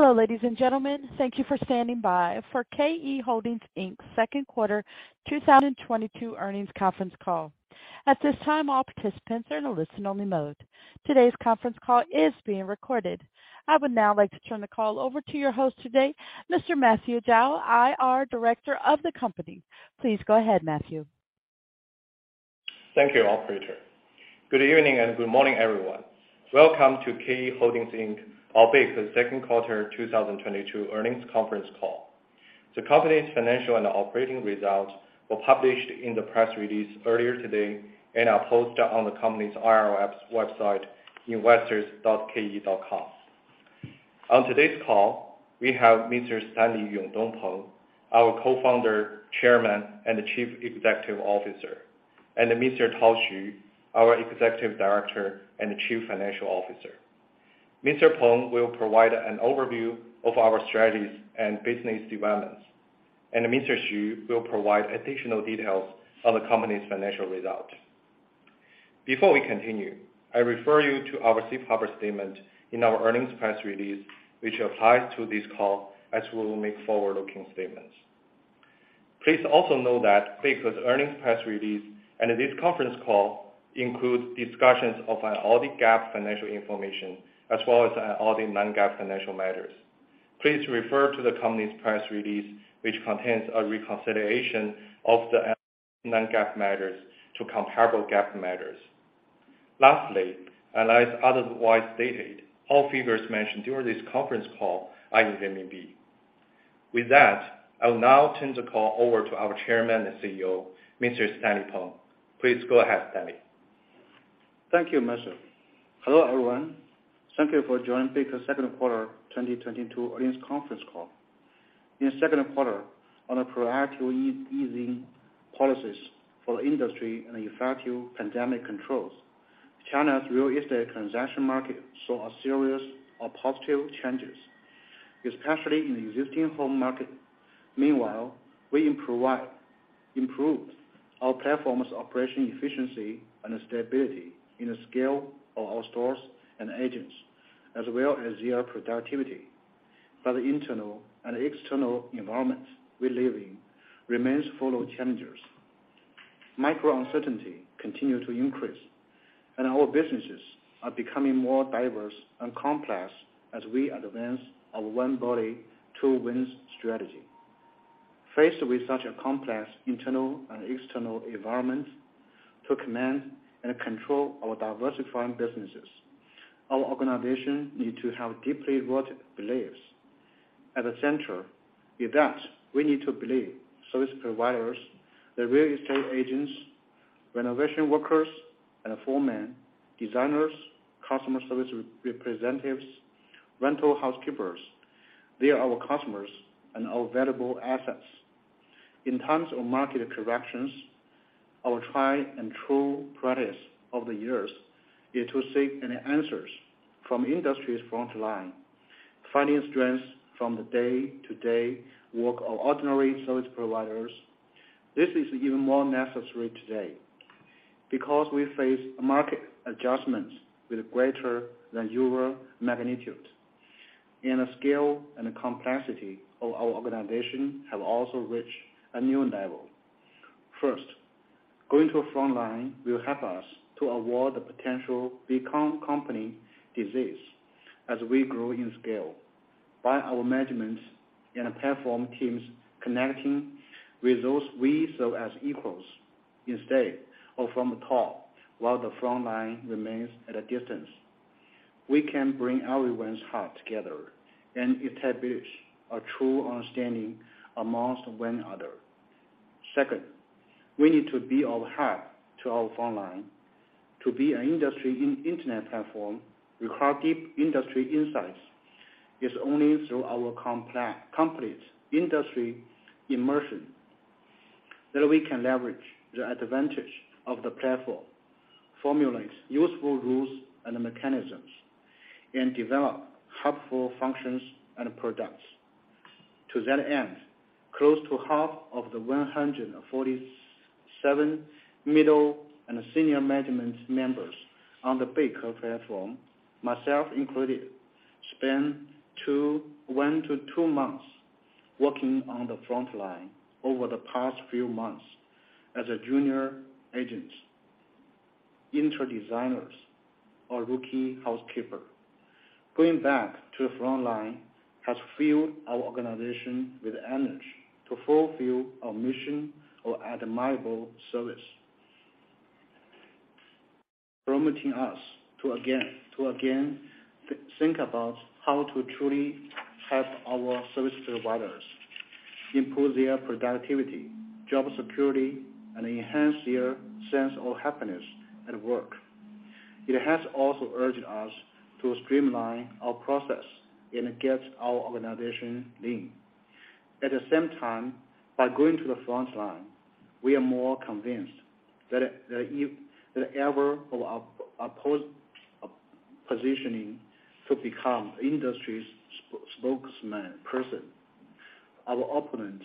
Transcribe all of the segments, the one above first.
Hello, ladies and gentlemen. Thank you for standing by for KE Holdings Inc.'s second quarter 2022 earnings conference call. At this time, all participants are in a listen-only mode. Today's conference call is being recorded. I would now like to turn the call over to your host today, Mr. Matthew Zhao, IR Director of the company. Please go ahead, Matthew. Thank you, operator. Good evening and good morning, everyone. Welcome to KE Holdings Inc., our Beike's second quarter 2022 earnings conference call. The company's financial and operating results were published in the press release earlier today and are posted on the company's IR website, investors.ke.com. On today's call, we have Mr. Stanley Yongdong Peng, our Co-founder, Chairman, and Chief Executive Officer, and Mr. Tao Xu, our Executive Director and Chief Financial Officer. Mr. Peng will provide an overview of our strategies and business developments, and Mr. Xu will provide additional details on the company's financial results. Before we continue, I refer you to our safe harbor statement in our earnings press release, which applies to this call as we will make forward-looking statements. Please also note that Beike's earnings press release and this conference call includes discussions of audited GAAP financial information as well as audited non-GAAP financial measures. Please refer to the company's press release, which contains a reconciliation of the non-GAAP measures to comparable GAAP measures. Lastly, unless otherwise stated, all figures mentioned during this conference call are in RMB. With that, I will now turn the call over to our Chairman and CEO, Mr. Stanley Peng. Please go ahead, Stanley. Thank you, Matthew. Hello, everyone. Thank you for joining Beike's second quarter 2022 earnings conference call. In the second quarter, on a proactive easing policies for the industry and effective pandemic controls, China's real estate transaction market saw a series of positive changes, especially in the existing home market. Meanwhile, improved our platform's operational efficiency and stability in the scale of our stores and agents, as well as their productivity. The internal and external environment we live in remains full of challenges. Macro-uncertainty continues to increase and our businesses are becoming more diverse and complex as we advance our one body, two wings strategy. Faced with such a complex internal and external environment to command and control our diversifying businesses, our organization need to have deeply-rooted beliefs. At the center, with that, we need to believe service providers, the real estate agents, renovation workers and foremen, designers, customer service representatives, rental housekeepers, they are our customers and our valuable assets. In times of market corrections, our tried and true practice over the years is to seek any answers from industry's front line, finding strengths from the day-to-day work of ordinary service providers. This is even more necessary today because we face market adjustments with greater than usual magnitude, and the scale and complexity of our organization have also reached a new level. First, going to the front line will help us to avoid the potential big company disease as we grow in scale. By our management and platform teams connecting with those we serve as equals instead of from the top while the front line remains at a distance, we can bring everyone's heart together and establish a true understanding among one another. Second, we need to be of help to our front line. To be an industry-internet platform requires deep industry insights. It's only through our complex, complete industry immersion that we can leverage the advantage of the platform, formulate useful rules and mechanisms, and develop helpful functions and products. To that end, close to half of the 147 middle and senior management members on the Beike platform, myself included, spent one-two months working on the front line over the past few months as a junior agent, interior designers or rookie housekeeper. Going back to the front line has filled our organization with energy to fulfill our mission of admirable service. Prompting us to again think about how to truly help our service providers improve their productivity, job security, and enhance their sense of happiness at work. It has also urged us to streamline our process and get our organization lean. At the same time, by going to the front line, we are more convinced that the endeavor of our positioning to become the industry's spokesman. Our opponents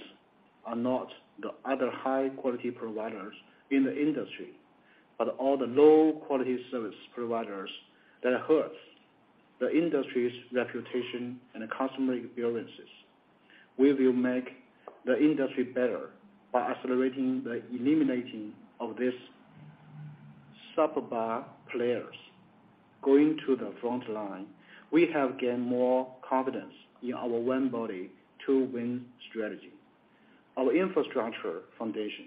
are not the other high quality providers in the industry, but all the low quality service providers that hurts the industry's reputation and customer experiences. We will make the industry better by accelerating the elimination of these subpar players. Going to the front line, we have gained more confidence in our one body, two wings strategy. Our infrastructure foundation,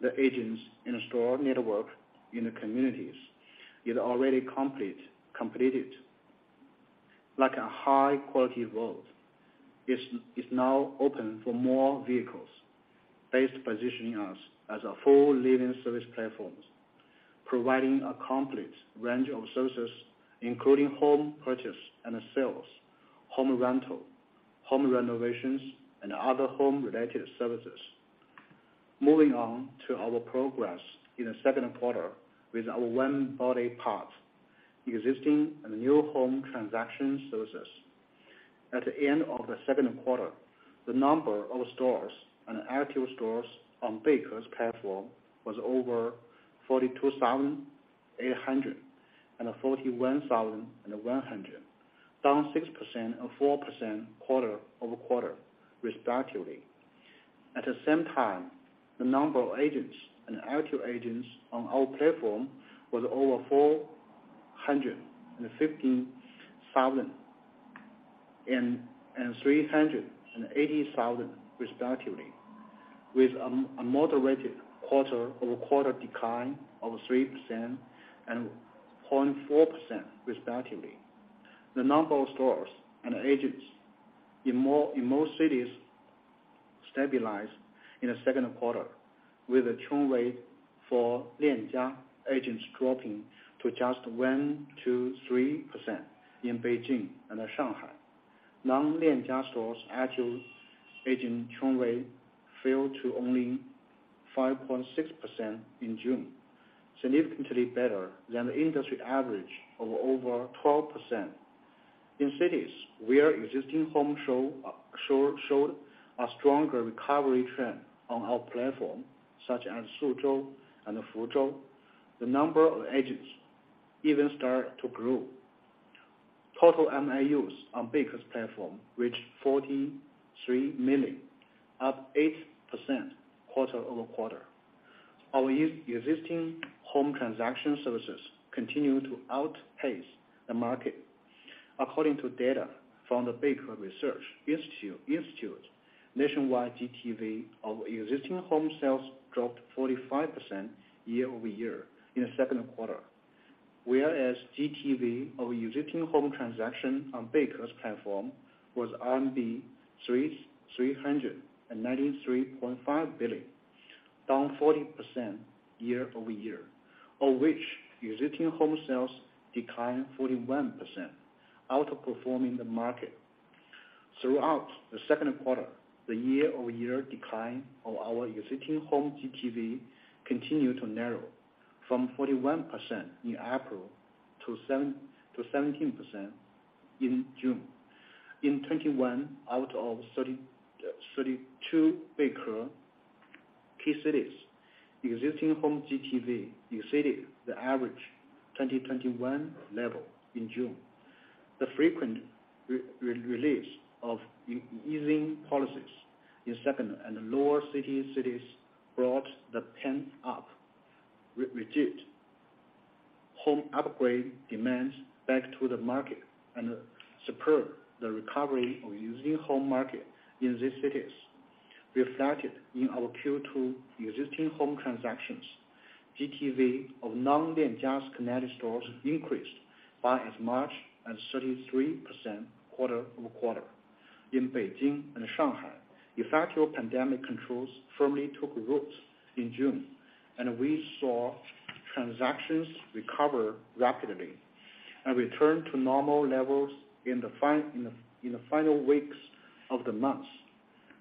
the agents in store network in the communities is already completed. Like a high quality road, is now open for more vehicles, based positioning us as a full living service platforms, providing a complete range of services, including home purchase and sales, home rental, home renovations, and other home-related services. Moving on to our progress in the second quarter with our one body part, existing and new home transaction services. At the end of the second quarter, the number of stores and active stores on Beike's platform was over 42,800 and 41,100, down 6% and 4% quarter-over-quarter, respectively. At the same time, the number of agents and active agents on our platform was over 415,000 and 380,000, respectively, with a moderated quarter-over-quarter decline of 3% and 0.4%, respectively. The number of stores and agents in most cities stabilized in the second quarter with the churn rate for Lianjia agents dropping to just 1%-3% in Beijing and Shanghai. Non-Lianjia stores active agent churn rate fell to only 5.6% in June, significantly better than the industry average of over 12%. In cities where existing home showed a stronger recovery trend on our platform, such as Suzhou and Fuzhou, the number of agents even started to grow. Total MAUs on Beike's platform reached 43 million, up 8% quarter-over-quarter. Our existing home transaction services continue to outpace the market. According to data from the Beike Research Institute, nationwide GTV of existing home sales dropped 45% year-over-year in the second quarter. Whereas GTV of existing home transaction on Beike's platform was RMB 393.5 billion, down 40% year-over-year, of which existing home sales declined 41%, outperforming the market. Throughout the second quarter, the year-over-year decline of our existing home GTV continued to narrow from 41% in April to 17% in June. In 21 out of 32 Beike key cities, existing home GTV exceeded the average 2021 level in June. The frequent release of easing policies in second- and lower-tier cities brought the pent-up repressed home upgrade demands back to the market, and spurred the recovery of existing home market in these cities, reflected in our Q2 existing home transactions. GTV of non-Lianjia's connected stores increased by as much as 33% quarter-over-quarter. In Beijing and Shanghai, effective pandemic controls firmly took root in June, and we saw transactions recover rapidly and return to normal levels in the final weeks of the month.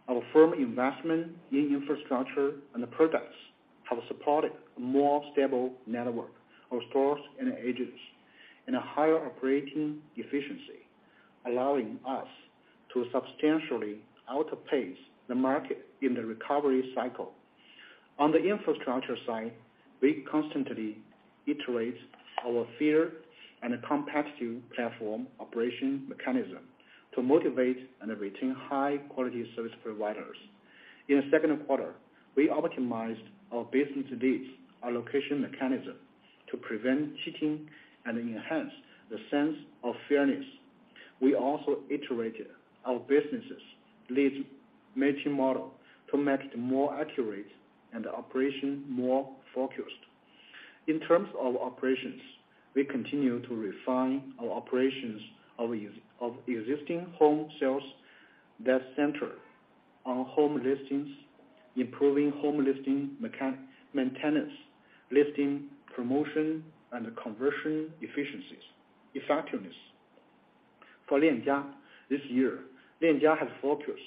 Our firm's investment in infrastructure and products has supported a more stable network of stores and agents and a higher operating efficiency, allowing us to substantially outpace the market in the recovery cycle. On the infrastructure side, we constantly iterate our fair and competitive platform operation mechanism to motivate and retain high-quality service providers. In the second quarter, we optimized our business leads allocation mechanism to prevent cheating and enhance the sense of fairness. We also iterated our business lead matching model to make it more accurate and the operation more focused. In terms of operations, we continue to refine our operations of existing home sales that center on home listings, improving home listing maintenance, listing promotion and conversion effectiveness. For Lianjia, this year, Lianjia has focused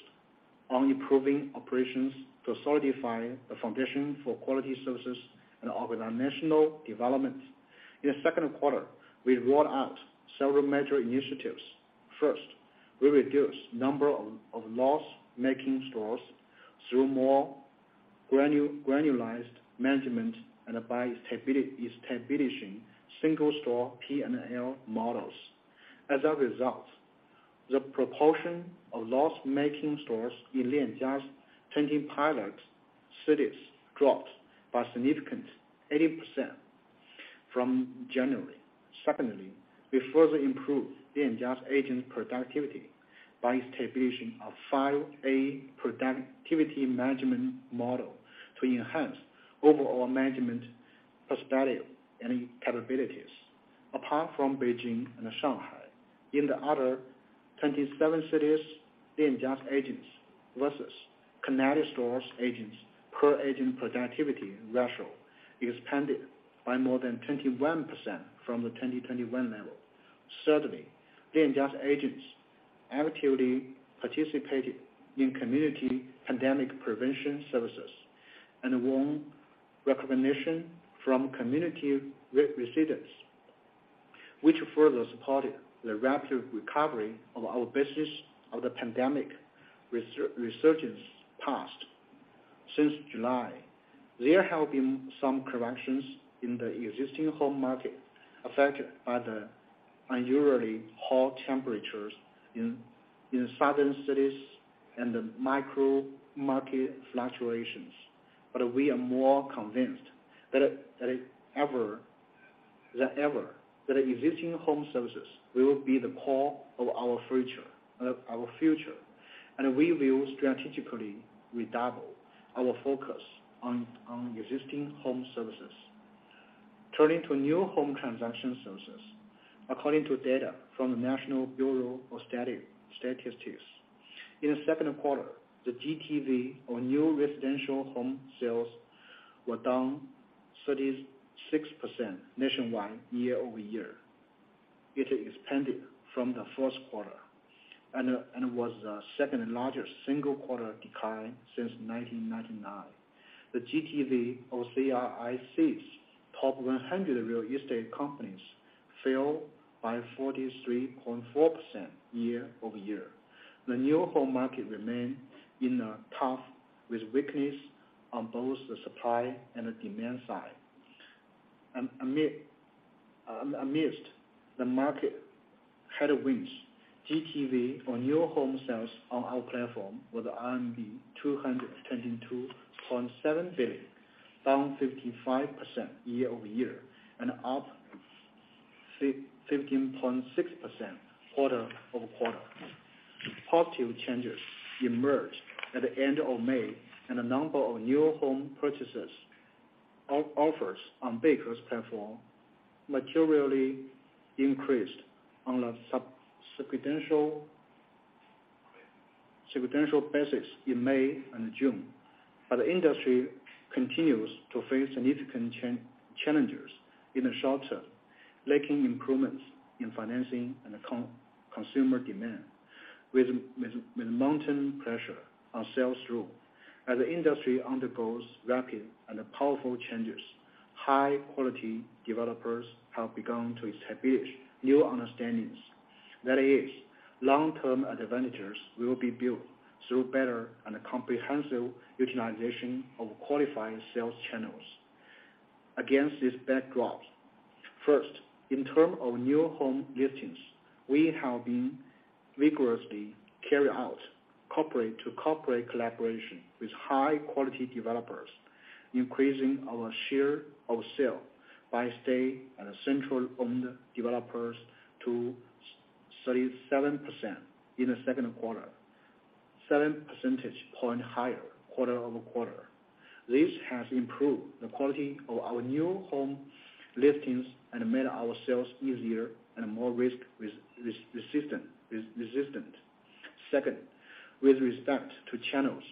on improving operations to solidify the foundation for quality services and organizational development. In the second quarter, we rolled out several initiatives. First, we reduced number of loss-making stores through more granular management and by establishing single store P&L models. As a result, the proportion of loss-making stores in Lianjia's 20 pilot cities dropped by significantly 80% from January. Secondly, we further improved Lianjia's agent productivity by establishing a five-A productivity management model to enhance overall management perspective and capabilities. Apart from Beijing and Shanghai, in the other 27 cities, Lianjia agents versus connected stores agents per agent productivity ratio expanded by more than 21% from the 2021 level. Thirdly, Lianjia agents actively participated in community pandemic prevention services and won recognition from community residents, which further supported the rapid recovery of our business after the pandemic resurgence passed. Since July, there have been some corrections in the existing home market affected by the unusually hot temperatures in southern cities and the micro market fluctuations. We are more convinced than ever that existing home services will be the core of our future. We will strategically redouble our focus on existing home services. Turning to new home transaction services, according to data from the National Bureau of Statistics, in the second quarter, the GTV of new residential home sales was down 36% nationwide year-over-year, yet it expanded from the first quarter and was the second largest single quarter decline since 1999. The GTV of CRIC's top 100 real estate companies fell by 43.4% year-over-year. The new home market remained in the tough with weakness on both the supply and the demand side. Amidst the market headwinds, GTV of new home sales on our platform was RMB 222.7 billion, down 55% year-over-year and up 15.6% quarter-over-quarter. Positive changes emerged at the end of May, and the number of new home purchase offers on Beike's platform materially increased on a sequential basis in May and June. The industry continues to face significant challenges in the short term, lacking improvements in financing and consumer demand, with mounting pressure on sales through. As the industry undergoes rapid and powerful changes, high quality developers have begun to establish new understandings. That is, long-term advantages will be built through better and comprehensive utilization of qualifying sales channels. Against this backdrop, first, in terms of new home listings, we have been vigorously carry out corporate to corporate collaboration with high quality developers, increasing our share of sale by state and central owned developers to 77% in the second quarter, 7 percentage points higher quarter over quarter. This has improved the quality of our new home listings and made our sales easier and more risk-resistant. Second, with respect to channels,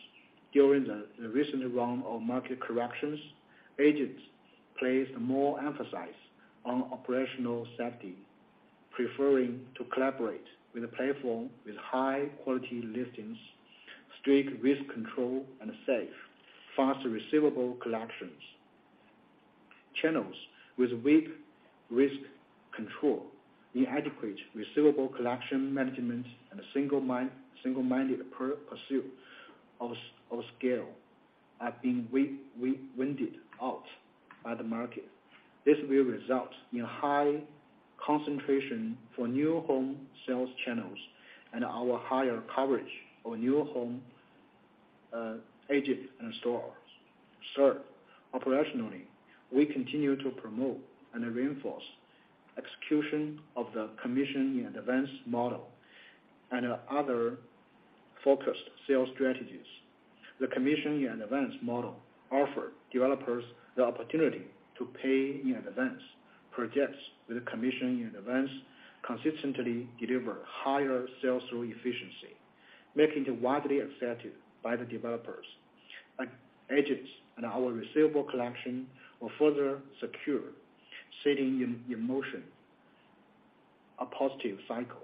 during the recent round of market corrections, agents placed more emphasis on operational safety, preferring to collaborate with a platform with high-quality listings, strict risk control, and safe, fast receivable collections. Channels with weak risk control, inadequate receivable collection management, and a single-minded pursuit of scale have been weeded out by the market. This will result in high concentration for new home sales channels and our higher coverage of new home agent and stores. Third, operationally, we continue to promote and reinforce execution of the Commission in Advance model and other focused sales strategies. The Commission in Advance model offer developers the opportunity to pay in advance projects with Commission in Advance, consistently deliver higher sales through efficiency, making it widely accepted by the developers. Agents and our receivable collection were further secured, setting in motion a positive cycle.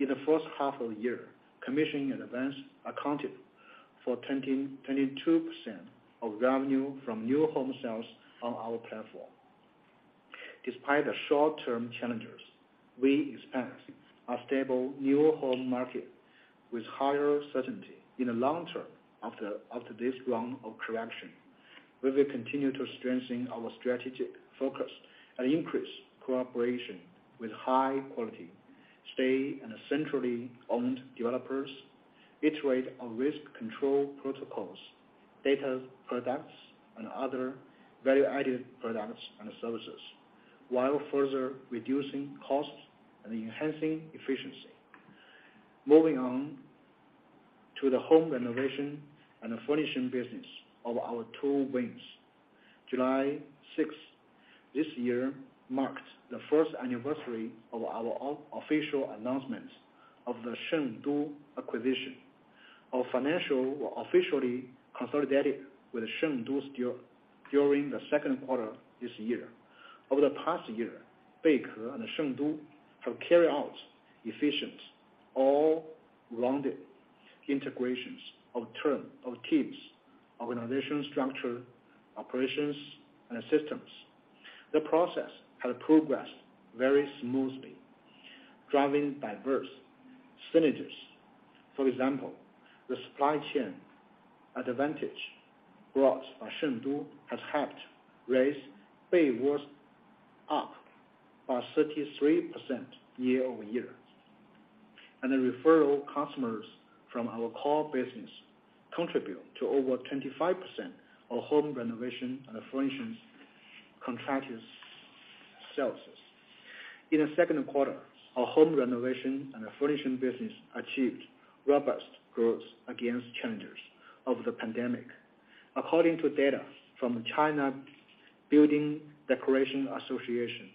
In the first half of the year, commissions and events accounted for 22% of revenue from new home sales on our platform. Despite the short-term challenges, we expect a stable new home market with higher certainty in the long term after this round of correction. We will continue to strengthen our strategic focus and increase cooperation with high quality, state, and centrally owned developers, iterate our risk control protocols, data products, and other value-added products and services, while further reducing costs and enhancing efficiency. Moving on to the home renovation and furnishing business of our two wings. July 6th this year marked the first anniversary of our official announcement of the Shengdu acquisition. Our financials were officially consolidated with Shengdu during the second quarter this year. Over the past year, Beike and Shengdu have carried out efficient all-rounded integrations of teams, organization structure, operations and systems. The process has progressed very smoothly, driving diverse synergies. For example, the supply chain advantage brought by Shengdu has helped raise Beike's up by 33% year-over-year. The referral customers from our core business contribute to over 25% of home renovation and furnishings contracted sales. In the second quarter, our home renovation and furnishing business achieved robust growth against challenges of the pandemic. According to data from China Building Decoration Association,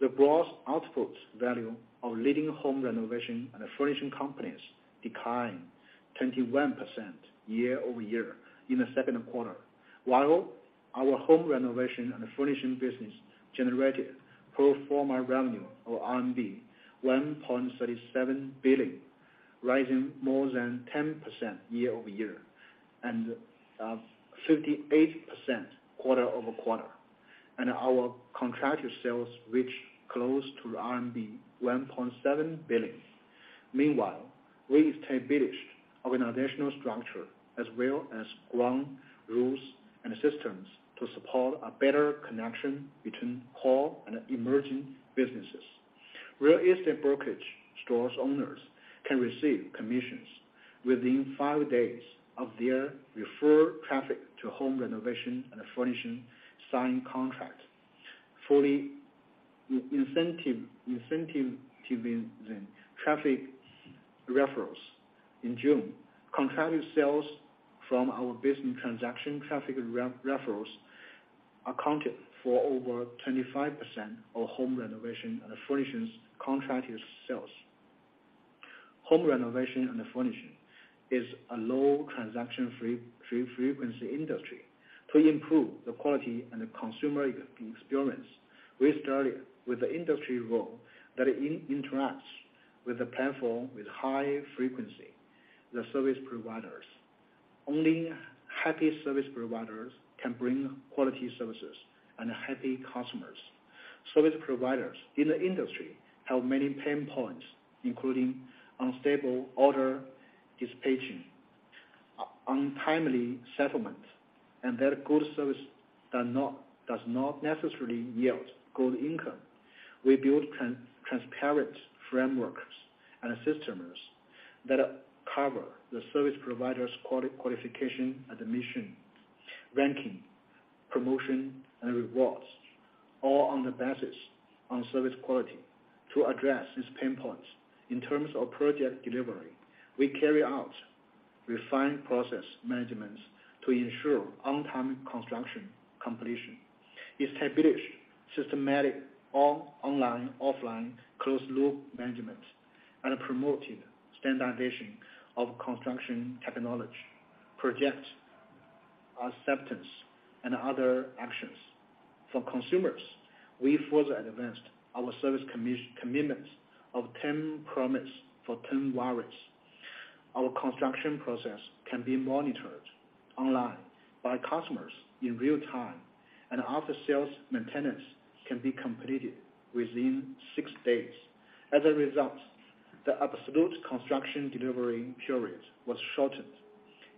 the gross output value of leading home renovation and furnishing companies declined 21% year-over-year in the second quarter. While our home renovation and furnishing business generated pro forma revenue of RMB 1.37 billion, rising more than 10% year-over-year and 58% quarter-over-quarter. Our contracted sales reached close to RMB 1.7 billion. Meanwhile, we established organizational structure as well as ground rules and systems to support a better connection between core and emerging businesses. Real estate brokerage stores owners can receive commissions within five days of their referred traffic to home renovation and furnishing signed contract. Fully incentivizing traffic referrals. In June, contracted sales from our business transaction traffic referrals accounted for over 25% of home renovation and furnishings contracted sales. Home renovation and furnishing is a low transaction frequency industry. To improve the quality and the consumer experience, we started with the industry role that interacts with the platform with high frequency, the service providers. Only happy service providers can bring quality services and happy customers. Service providers in the industry have many pain points, including unstable order dispatching, untimely settlement, and that good service does not necessarily yield good income. We build transparent frameworks and systems that cover the service provider's qualification, admission, ranking, promotion and rewards, all on the basis of service quality to address these pain points. In terms of project delivery, we carry out refined process managements to ensure on-time construction completion, establish systematic online, offline closed loop management, and promoted standardization of construction technology, project acceptance and other actions. For consumers, we further advanced our service commitments of 10 promises for 10 warranties. Our construction process can be monitored online by customers in real time, and after sales maintenance can be completed within six days. As a result, the absolute construction delivery period was shortened,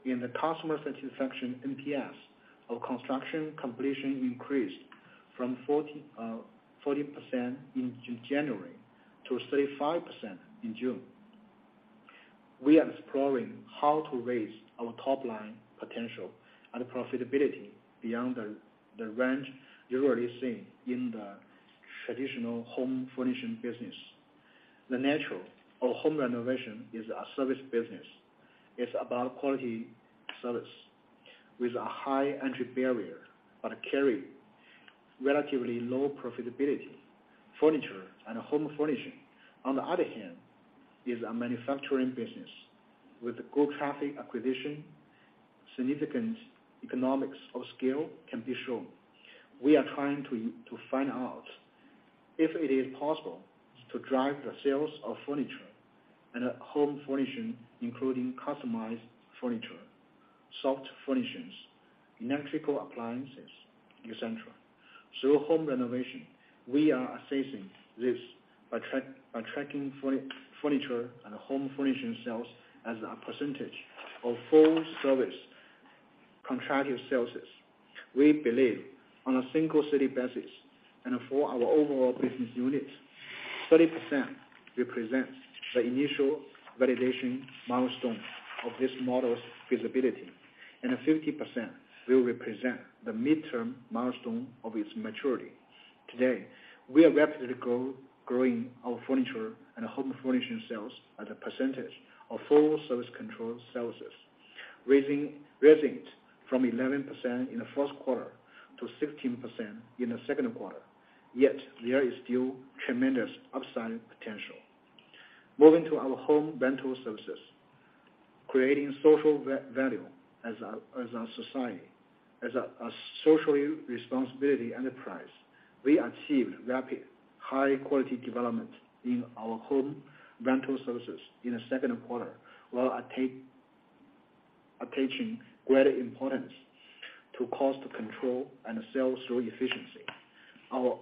and the customer satisfaction NPS of construction completion increased from 40% in January to 35% in June. We are exploring how to raise our top line potential and profitability beyond the range usually seen in the traditional home furnishing business. The nature of home renovation is a service business. It's about quality service with a high entry barrier, but carry relatively low profitability. Furniture and home furnishing, on the other hand, is a manufacturing business with good traffic acquisition. Significant economies of scale can be shown. We are trying to find out if it is possible to drive the sales of furniture and home furnishing, including customized furniture, soft furnishings, electrical appliances, et cetera, through home renovation. We are assessing this by tracking furniture and home furnishing sales as a percentage of full service contracted sales. We believe on a single city basis and for our overall business units, 30% represents the initial validation milestone of this model's feasibility, and 50% will represent the midterm milestone of its maturity. Today, we are rapidly growing our furniture and home furnishing sales as a percentage of full service contracted services, raising it from 11% in the first quarter to 16% in the second quarter, yet there is still tremendous upside potential. Moving to our home rental services, creating social value as a social responsibility enterprise, we achieved rapid high-quality development in our home rental services in the second quarter, while attaching great importance to cost control and sales through efficiency. Our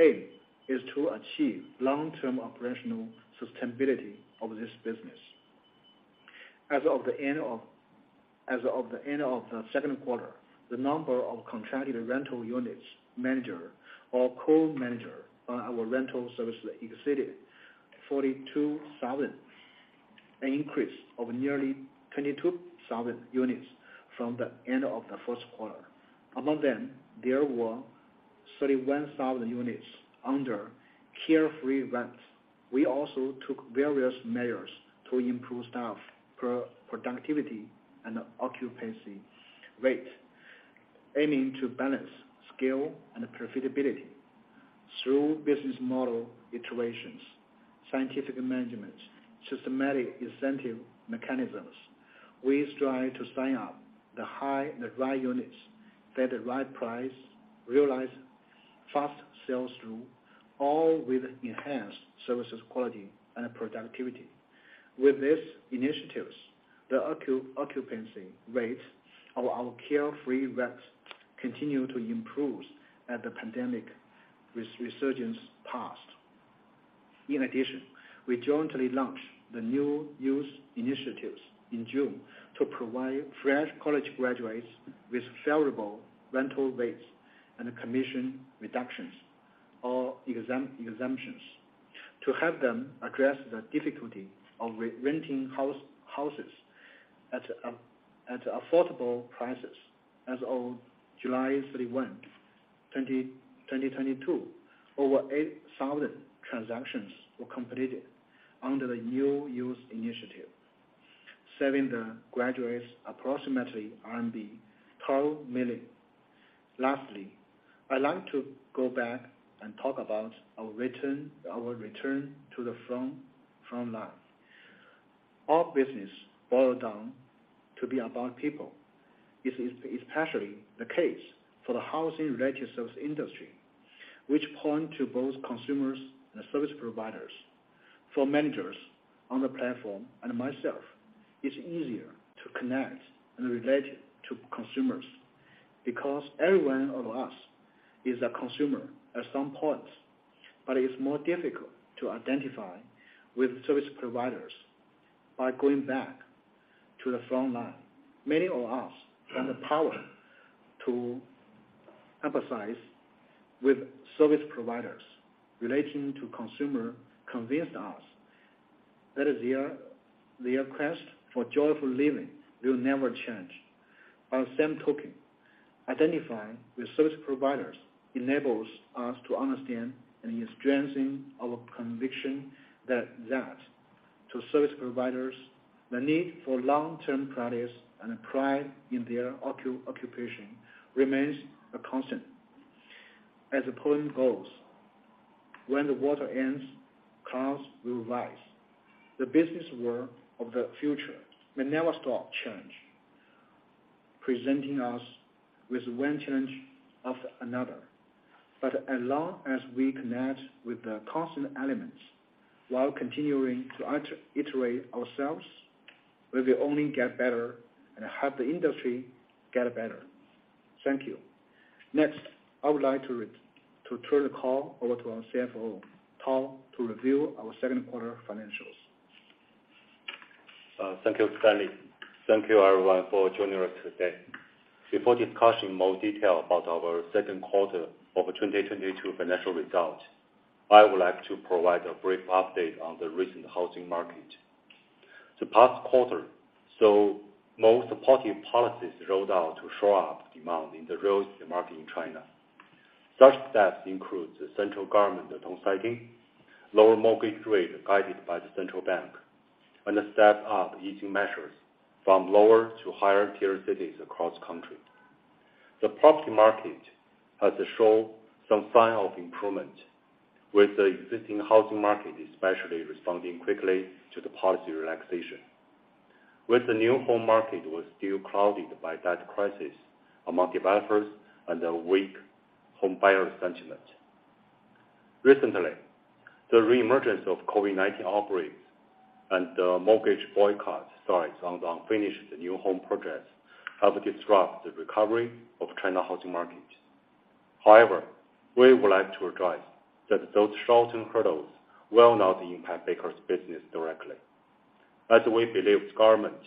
aim is to achieve long-term operational sustainability of this business. As of the end of the second quarter, the number of contracted rental units managed or co-managed by our rental services exceeded 42,000, an increase of nearly 22,000 units from the end of the first quarter. Among them, there were 31,000 units under Carefree Rent. We also took various measures to improve staff productivity and occupancy rate, aiming to balance scale and profitability. Through business model iterations, scientific management, systematic incentive mechanisms, we strive to sign up the right units at the right price, realize fast sales through online with enhanced service quality and productivity. With these initiatives, the occupancy rate of our Carefree Rents continue to improve as the pandemic resurgence passed. In addition, we jointly launched the New Youth Initiatives in June to provide fresh college graduates with favorable rental rates and commission reductions or exam-exemptions to help them address the difficulty of re-renting houses at affordable prices. As of July 31, 2022, over 8,000 transactions were completed under the New Youth Initiative, saving the graduates approximately RMB 12 million. Lastly, I'd like to go back and talk about our return to the front line. All business boils down to be about people. This is especially the case for the housing-related service industry, which points to both consumers and service providers. For managers on the platform and myself, it's easier to connect and relate to consumers because every one of us is a consumer at some point, but it's more difficult to identify with service providers. By going back to the front line, many of us have the power to empathize with service providers relating to consumers convinced us that their quest for joyful living will never change. By the same token, identifying with service providers enables us to understand and is strengthening our conviction that to service providers, the need for long-term practice and pride in their occupation remains a constant. As the poem goes, when the water ends, clouds will rise. The business world of the future may never stop changing, presenting us with one challenge after another. As long as we connect with the constant elements while continuing to iterate ourselves, we will only get better and help the industry get better. Thank you. Next, I would like to turn the call over to our CFO, Tao, to review our second quarter financials. Thank you, Stanley. Thank you, everyone, for joining us today. Before discussing more detail about our second quarter of 2022 financial results, I would like to provide a brief update on the recent housing market. The past quarter saw more supportive policies rolled out to shore up demand in the real estate market in China. Such steps include the central government's downsizing, lower mortgage rate guided by the central bank, and a stepped-up easing measures from lower to higher tier cities across country. The property market has shown some sign of improvement, with the existing housing market especially responding quickly to the policy relaxation, with the new home market was still clouded by debt crisis among developers and a weak home buyer sentiment. Recently, the reemergence of COVID-19 outbreaks and mortgage boycott started on unfinished new home projects have disrupted the recovery of China housing market. However, we would like to advise that those short-term hurdles will not impact Beike's business directly. As we believe government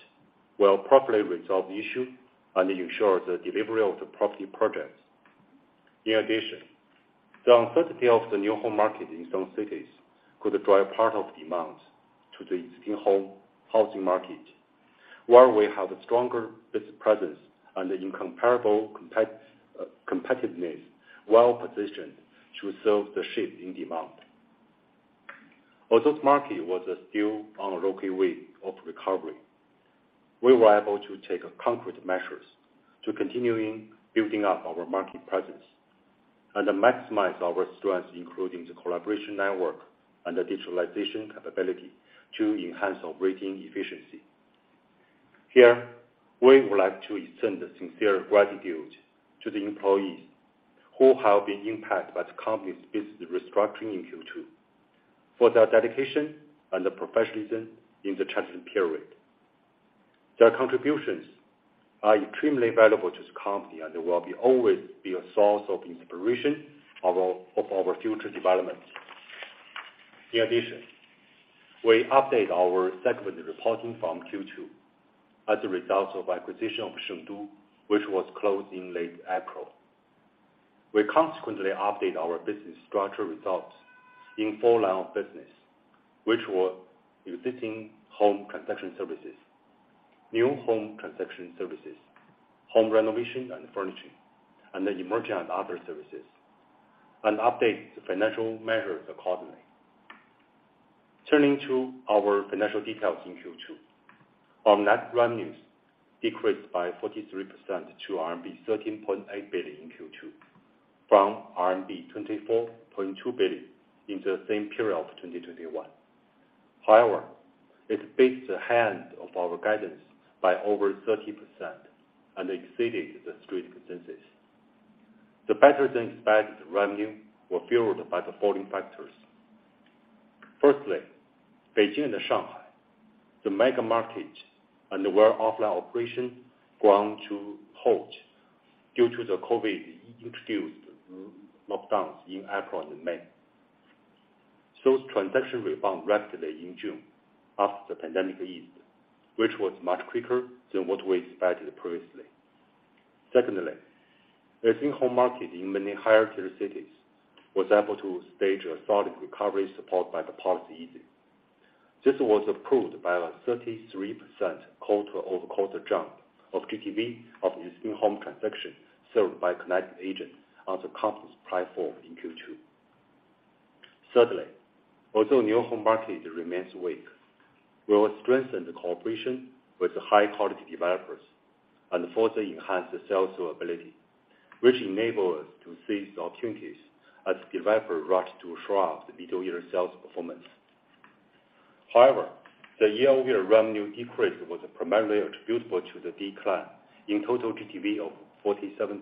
will properly resolve the issue and ensure the delivery of the property projects. In addition, the uncertainty of the new home market in some cities could drive part of demand to the existing home housing market, where we have a stronger business presence and the incomparable competitiveness, well-positioned to serve the shift in demand. Although the market was still on a rocky way of recovery, we were able to take concrete measures to continuing building up our market presence and maximize our strengths, including the collaboration network and the digitalization capability to enhance operating efficiency. Here, we would like to extend a sincere gratitude to the employees who have been impacted by the company's business restructuring in Q2 for their dedication and the professionalism in the transition period. Their contributions are extremely valuable to the company, and they will always be a source of inspiration of our future development. In addition, we update our segment reporting in Q2 as a result of acquisition of Shengdu, which was closed in late April. We consequently update our business structure resulting in four lines of business, which were existing home transaction services, new home transaction services, home renovation and furniture, and the emerging and other services, and update the financial measures accordingly. Turning to our financial details in Q2. Our net revenues decreased by 43% to RMB 13.8 billion in Q2, from RMB 24.2 billion in the same period of 2021. However, it beats the high end of our guidance by over 30% and exceeded the street consensus. The better-than-expected revenue were fueled by the following factors. Firstly, Beijing and Shanghai, the mega markets and where offline operations grind to halt due to the COVID-induced lockdowns in April and May. Transaction rebound rapidly in June after the pandemic eased, which was much quicker than what we expected previously. Secondly, the existing home market in many higher-tier cities was able to stage a solid recovery support by the policy easing. This was proved by a 33% quarter-over-quarter jump of GTV of existing home transaction served by connected agents on the company's platform in Q2. Thirdly, although new home market remains weak, we will strengthen the cooperation with the high-quality developers and further enhance the sales ability, which enable us to seize the opportunities as developer rush to shore up the year sales performance. However, the year-over-year revenue decrease was primarily attributable to the decline in total GTV of 47.6%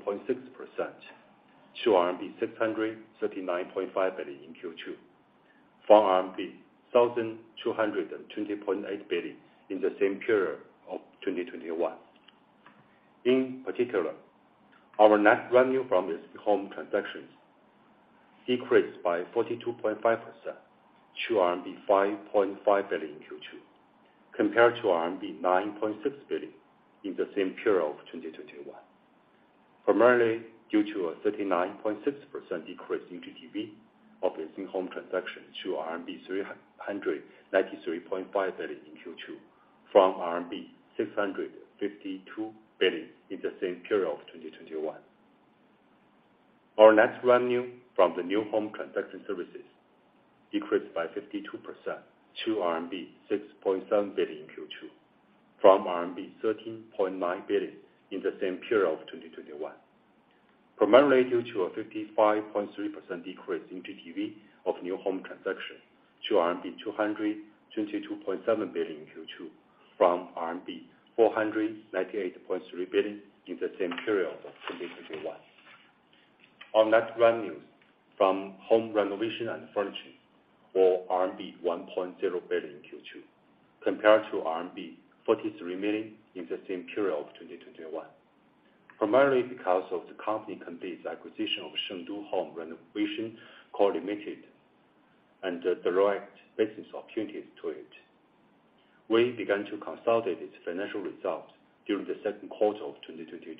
to RMB 639.5 billion in Q2, from RMB 1,220.8 billion in the same period of 2021. In particular, our net revenue from existing home transactions decreased by 42.5% to RMB 5.5 billion in Q2, compared to RMB 9.6 billion in the same period of 2021. Primarily due to a 39.6% decrease in GTV of existing home transaction to RMB 393.5 billion in Q2, from RMB 652 billion in the same period of 2021. Our net revenue from the new home transaction services decreased by 52% to RMB 6.7 billion in Q2, from RMB 13.9 billion in the same period of 2021. Primarily due to a 55.3% decrease in GTV of new home transaction to RMB 222.7 billion in Q2, from RMB 498.3 billion in the same period of 2021. Our net revenues from home renovation and furnishing were RMB 1.0 billion in Q2, compared to RMB 43 million in the same period of 2021. Primarily because of the company completed its acquisition of Shengdu Home Renovation Co., Ltd., and the direct business opportunities to it. We began to consolidate its financial results during the second quarter of 2022.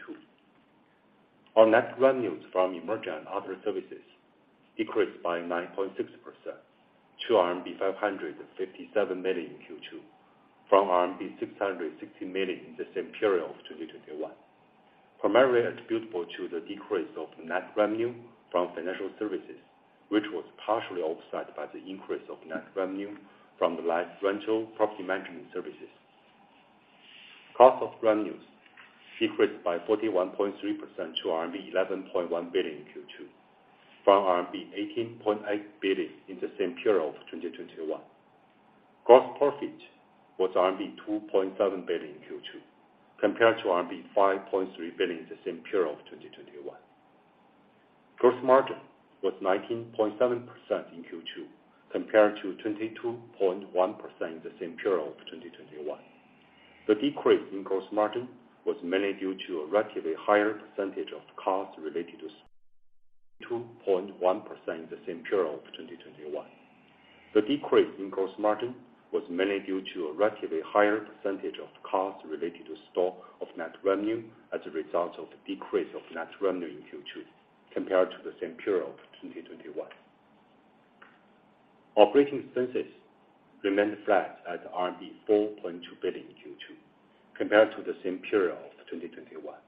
Our net revenues from emerging and other services decreased by 9.6% to RMB 557 million in Q2, from RMB 660 million in the same period of 2021. Primarily attributable to the decrease of net revenue from financial services, which was partially offset by the increase of net revenue from the light rental property management services. Cost of revenues decreased by 41.3% to RMB 11.1 billion in Q2, from RMB 18.8 billion in the same period of 2021. Gross profit was RMB 2.7 billion in Q2, compared to RMB 5.3 billion in the same period of 2021. Gross margin was 19.7% in Q2, compared to 22.1% in the same period of 2021. The decrease in gross margin was mainly due to a relatively higher percentage of costs related to stock of net revenue as a result of the decrease of net revenue in Q2 compared to the same period of 2021. Operating expenses remained flat at RMB 4.2 billion in Q2 compared to the same period of 2021.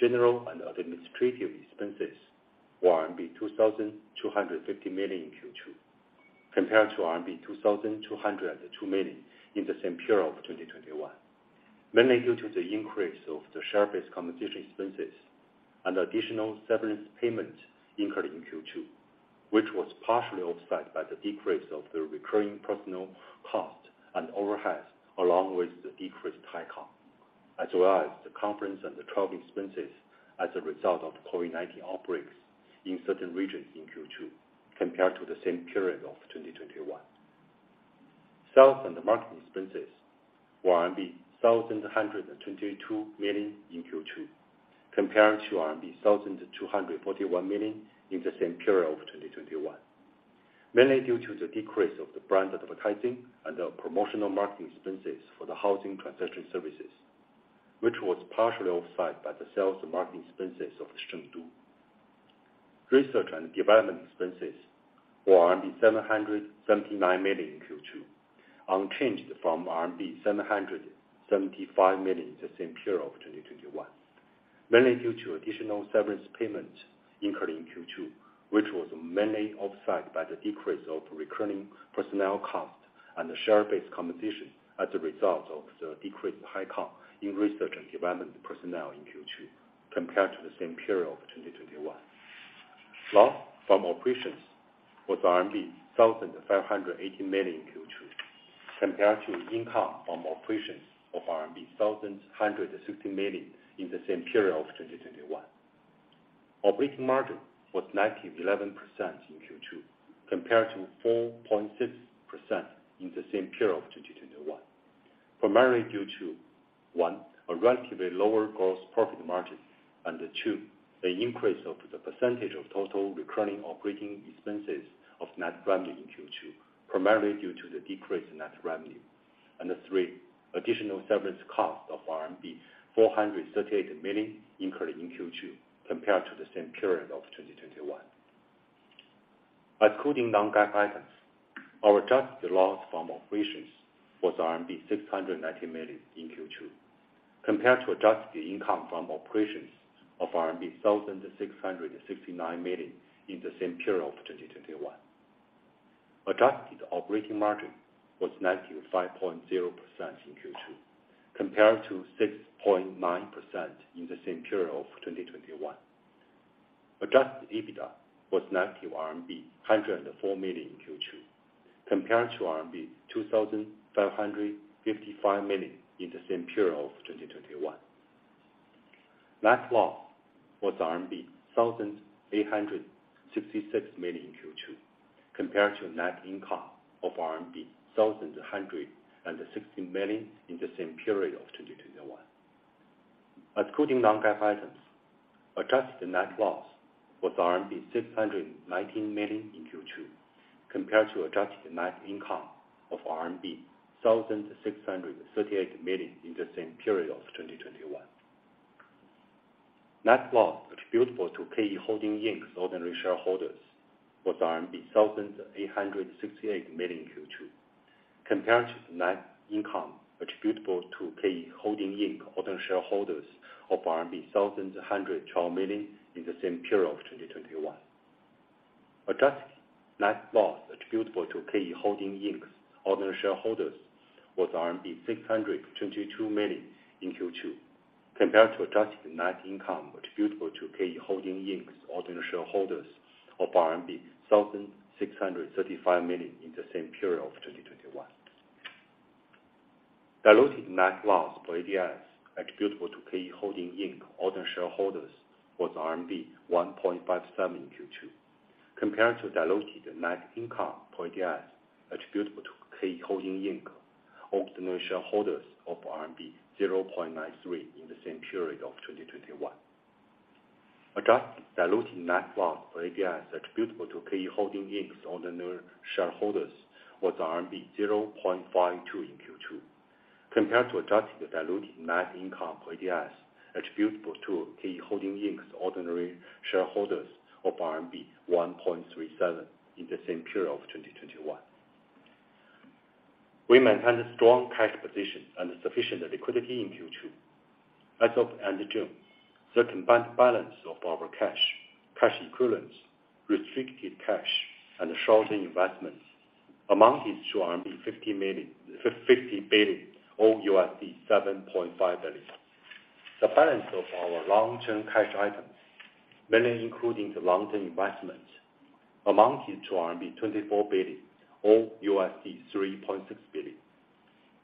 General and administrative expenses were RMB 2,250 million in Q2, compared to RMB 2,202 million in the same period of 2021, mainly due to the increase of the share-based compensation expenses and additional severance payment incurred in Q2, which was partially offset by the decrease of the recurring personnel cost and overheads along with the decreased headcount, as well as the conference and the travel expenses as a result of COVID-19 outbreaks in certain regions in Q2 compared to the same period of 2021. Sales and marketing expenses were RMB 1,122 million in Q2, compared to RMB 1,241 million in the same period of 2021, mainly due to the decrease of the brand advertising and the promotional marketing expenses for the housing transaction services, which was partially offset by the sales and marketing expenses of Shengdu. Research and development expenses were RMB 779 million in Q2, unchanged from RMB 775 million in the same period of 2021, mainly due to additional severance payment incurred in Q2, which was mainly offset by the decrease of recurring personnel cost and the share-based compensation as a result of the decreased headcount in research and development personnel in Q2 compared to the same period of 2021. Loss from operations was RMB 1,580 million in Q2, compared to income from operations of RMB 1,160 million in the same period of 2021. Operating margin was -11% in Q2, compared to 4.6% in the same period of 2021. Primarily due to, one, a relatively lower gross profit margin, and two, the increase of the percentage of total recurring operating expenses of net revenue in Q2, primarily due to the decrease in net revenue. And three, additional severance cost of RMB 438 million incurred in Q2 compared to the same period of 2021. Excluding non-GAAP items, our adjusted loss from operations was RMB 690 million in Q2, compared to adjusted income from operations of RMB 1,669 million in the same period of 2021. Adjusted operating margin was negative 5.0% in Q2, compared to 6.9% in the same period of 2021. Adjusted EBITDA was negative RMB 104 million in Q2, compared to RMB 2,555 million in the same period of 2021. Net loss was RMB 1,866 million in Q2, compared to net income of RMB 1,160 million in the same period of 2021. Excluding non-GAAP items, adjusted net loss was RMB 619 million in Q2, compared to adjusted net income of RMB 1,638 million in the same period of 2021. Net loss attributable to KE Holdings Inc.'s ordinary shareholders was RMB 1,868 million in Q2, compared to net income attributable to KE Holdings Inc. Ordinary shareholders of RMB 1,112 million in the same period of 2021. Adjusted net loss attributable to KE Holdings Inc.'s ordinary shareholders was RMB 622 million in Q2, compared to adjusted net income attributable to KE Holdings Inc.'s ordinary shareholders of RMB 1,635 million in the same period of 2021. Diluted net loss per ADS attributable to KE Holdings Inc. ordinary shareholders was RMB 1.57 in Q2, compared to diluted net income per ADS attributable to KE Holdings Inc. ordinary shareholders of RMB 0.93 in the same period of 2021. Adjusted diluted net loss per ADS attributable to KE Holdings Inc.'s ordinary shareholders was RMB 0.52 in Q2, compared to adjusted diluted net income per ADS attributable to KE Holdings Inc.'s ordinary shareholders of RMB 1.37 in the same period of 2021. We maintained a strong cash position and sufficient liquidity in Q2. As of end of June, the combined balance of our cash equivalents, restricted cash, and short-term investments amounted to RMB 50 billion, or $7.5 billion. The balance of our long-term cash items, mainly including the long-term investments, amounted to RMB 24 billion, or $3.6 billion.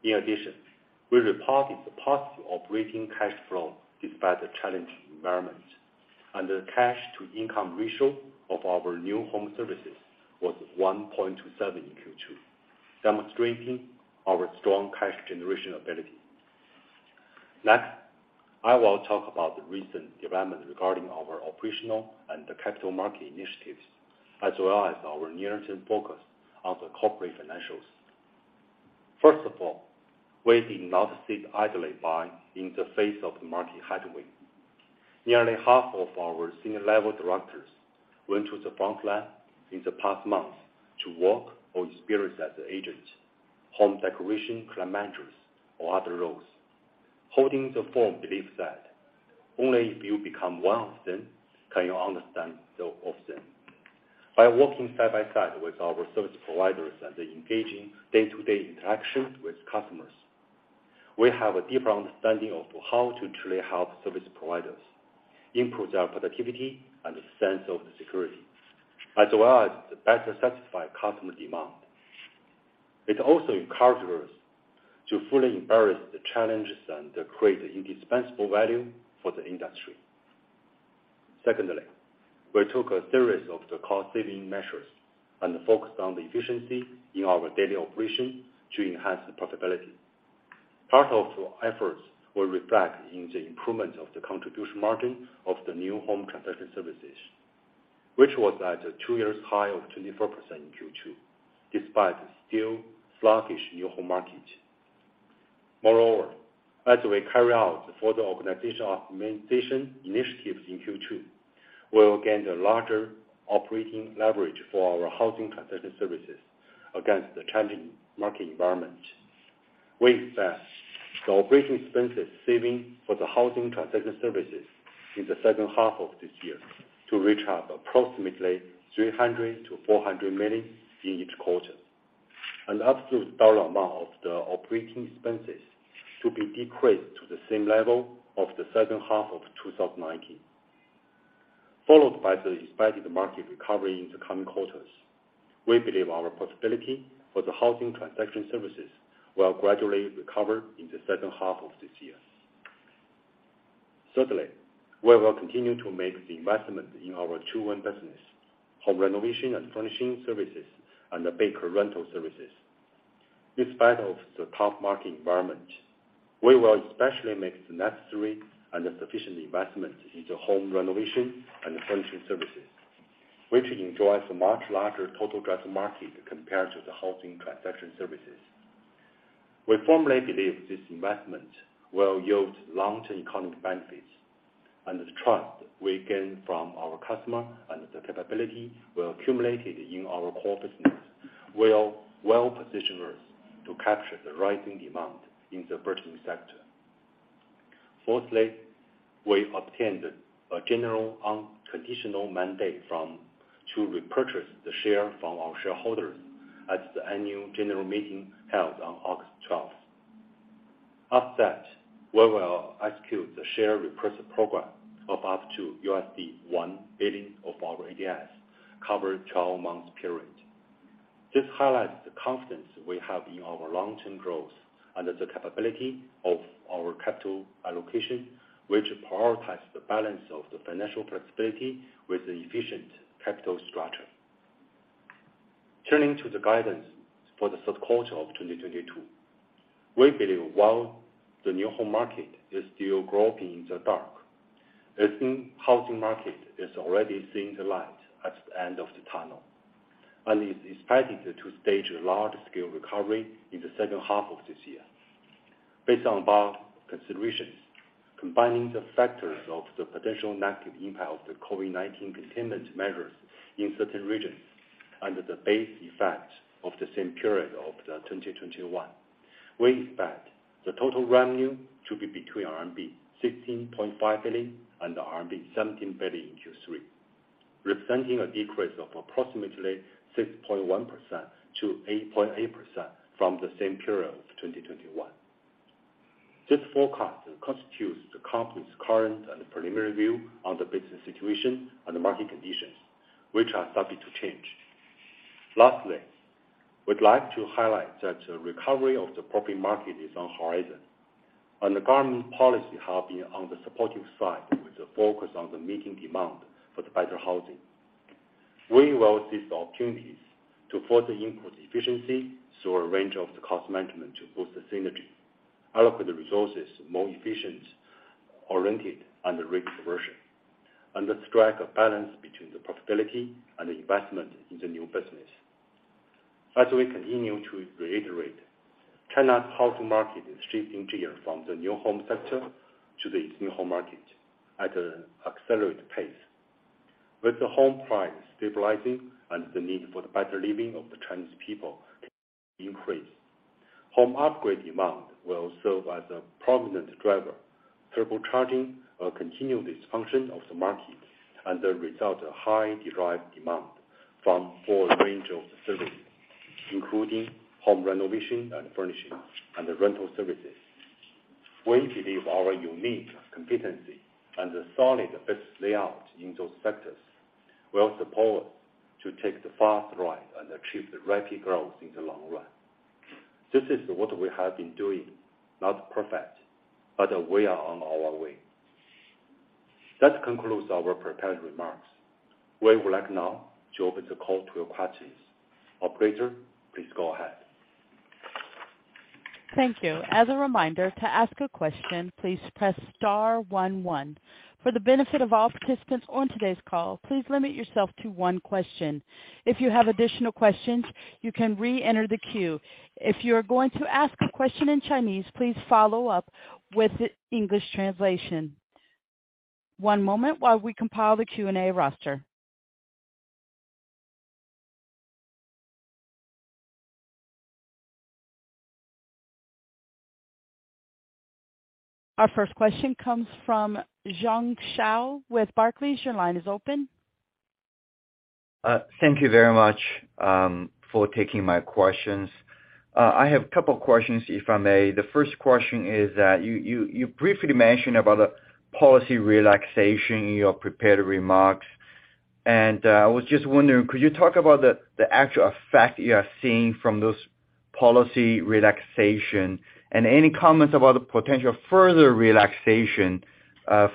In addition, we reported a positive operating cash flow despite the challenging environment. The cash to income ratio of our new home services was 1.27 in Q2, demonstrating our strong cash generation ability. Next, I will talk about the recent development regarding our operations and the capital market initiatives, as well as our near-term focus on the corporate financials. First of all, we did not sit idly by in the face of the market headwind. Nearly half of our senior level directors went to the front line in the past month to work or experience as agents, home decorators, client managers, or other roles. Holding the firm belief that only if you become one of them can you understand so much of them. By working side by side with our service providers and engaging day-to-day interactions with customers, we have a deeper understanding of how to truly help service providers improve their productivity and sense of security, as well as to better satisfy customer demand. It also encourages to fully embrace the challenges and create indispensable value for the industry. Secondly, we took a series of the cost-saving measures and focused on the efficiency in our daily operation to enhance the profitability. Part of the efforts were reflected in the improvement of the contribution margin of the new home transaction services, which was at a two-year high of 24% in Q2, despite the still sluggish new home market. Moreover, as we carry out further organizational optimization initiatives in Q2, we will gain the larger operating leverage for our housing transaction services against the challenging market environment. We expect the operating expenses saving for the housing transaction services in the second half of this year to reach up approximately 300 million-400 million in each quarter. An absolute dollar amount of the operating expenses to be decreased to the same level of the second half of 2019. Followed by the expected market recovery in the coming quarters, we believe our profitability for the housing transaction services will gradually recover in the second half of this year. Thirdly, we will continue to make the investment in our core business, home renovation and furnishing services, and the Beike rental services. In spite of the tough market environment, we will especially make the necessary and the sufficient investment into home renovation and furnishing services, which enjoys a much larger total addressable market compared to the housing transaction services. We firmly believe this investment will yield long-term economic benefits. The trust we gain from our customer and the capability we accumulated in our core business will well position us to capture the rising demand in the burgeoning sector. Fourthly, we obtained a general unconditional mandate to repurchase the shares from our shareholders at the annual general meeting held on August 12. After that, we will execute the share repurchase program of up to $1 billion of our ADS, covering 12-month period. This highlights the confidence we have in our long-term growth and the capability of our capital allocation, which prioritize the balance of the financial flexibility with the efficient capital structure. Turning to the guidance for the third quarter of 2022. We believe while the new home market is still groping in the dark, existing housing market is already seeing the light at the end of the tunnel, and is expecting to stage a large-scale recovery in the second half of this year. Based on above considerations, combining the factors of the potential negative impact of the COVID-19 containment measures in certain regions, under the base effect of the same period of 2021, we expect the total revenue to be between RMB 16.5 billion and RMB 17 billion in Q3, representing a decrease of approximately 6.1% to 8.8% from the same period of 2021. This forecast constitutes the company's current and preliminary view on the business situation and the market conditions, which are subject to change. Lastly, we'd like to highlight that the recovery of the property market is on the horizon. The government policy have been on the supportive side, with the focus on meeting the demand for better housing. We will seize the opportunities to further improve efficiency through a range of the cost management to boost the synergy, allocate the resources more efficiently, oriented, and risk aversion. Strike a balance between the profitability and the investment in the new business. As we continue to reiterate, China's housing market is shifting gears from the new home sector to the existing home market at an accelerated pace. With the home price stabilizing and the need for the better living of the Chinese people increases, home upgrade demand will serve as a prominent driver. This will turbocharge the function of the market and then result in a high derived demand from a full range of services, including home renovation and furnishings, and the rental services. We believe our unique competency and the solid business layout in those sectors will support us to take the fast ride and achieve the rapid growth in the long run. This is what we have been doing, not perfect, but we are on our way. That concludes our prepared remarks. We would like now to open the call to your questions. Operator, please go ahead. Thank you. As a reminder, to ask a question, please press star one one. For the benefit of all participants on today's call, please limit yourself to one question. If you have additional questions, you can re-enter the queue. If you're going to ask a question in Chinese, please follow up with the English translation. One moment while we compile the Q&A roster. Our first question comes from Jiong Shao with Barclays. Your line is open. Thank you very much for taking my questions. I have a couple questions, if I may. The first question is that you briefly mentioned about the policy relaxation in your prepared remarks. I was just wondering, could you talk about the actual effect you are seeing from this policy relaxation and any comments about the potential further relaxation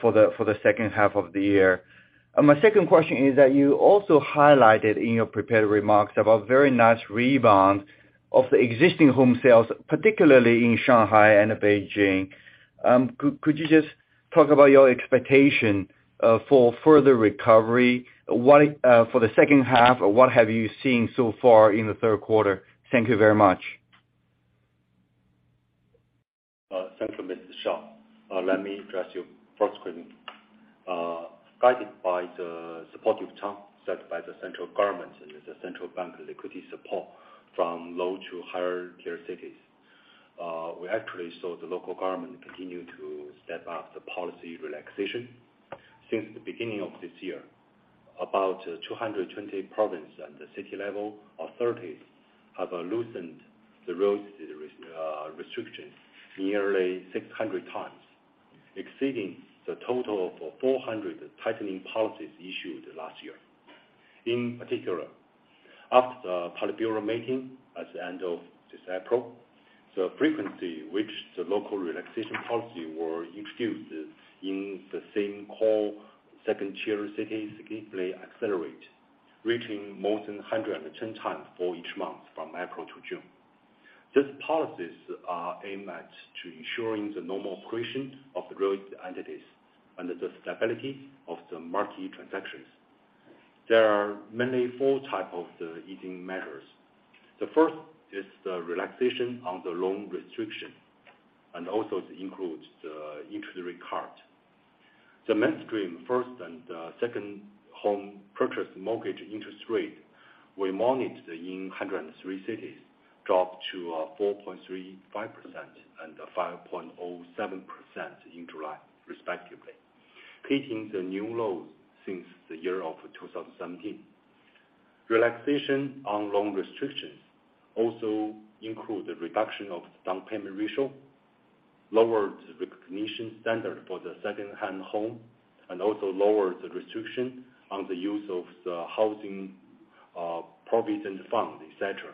for the second half of the year? My second question is that you also highlighted in your prepared remarks about very nice rebound of the existing home sales, particularly in Shanghai and Beijing. Could you just talk about your expectation for further recovery? What for the second half, what have you seen so far in the third quarter? Thank you very much. Thank you, Mr. Shao. Let me address your first question. Guided by the supportive tone set by the central government and the central bank liquidity support from lower- to higher-tier cities, we actually saw the local government continue to step up the policy relaxation. Since the beginning of this year, about 220 provincial and city-level authorities have loosened the real estate restrictions nearly 600 times, exceeding the total of 400 tightening policies issued last year. In particular, after the Politburo meeting at the end of this April, the frequency which the local relaxation policy were introduced in the same caliber second-tier cities significantly accelerate, reaching more than 110 times for each month from April to June. These policies are aimed at to ensuring the normal operation of the real estate entities and the stability of the market transactions. There are mainly four types of the easing measures. The first is the relaxation on the loan restriction, and also it includes the interest rate cut. The mainstream first and second home purchase mortgage interest rate we monitored in 103 cities dropped to 4.35% and 5.07% in July, respectively, hitting the new lows since the year of 2017. Relaxation on loan restrictions also include the reduction of down payment ratio, lower recognition standard for the second-hand home, and also lower the restriction on the use of the Housing Provident Fund, et cetera.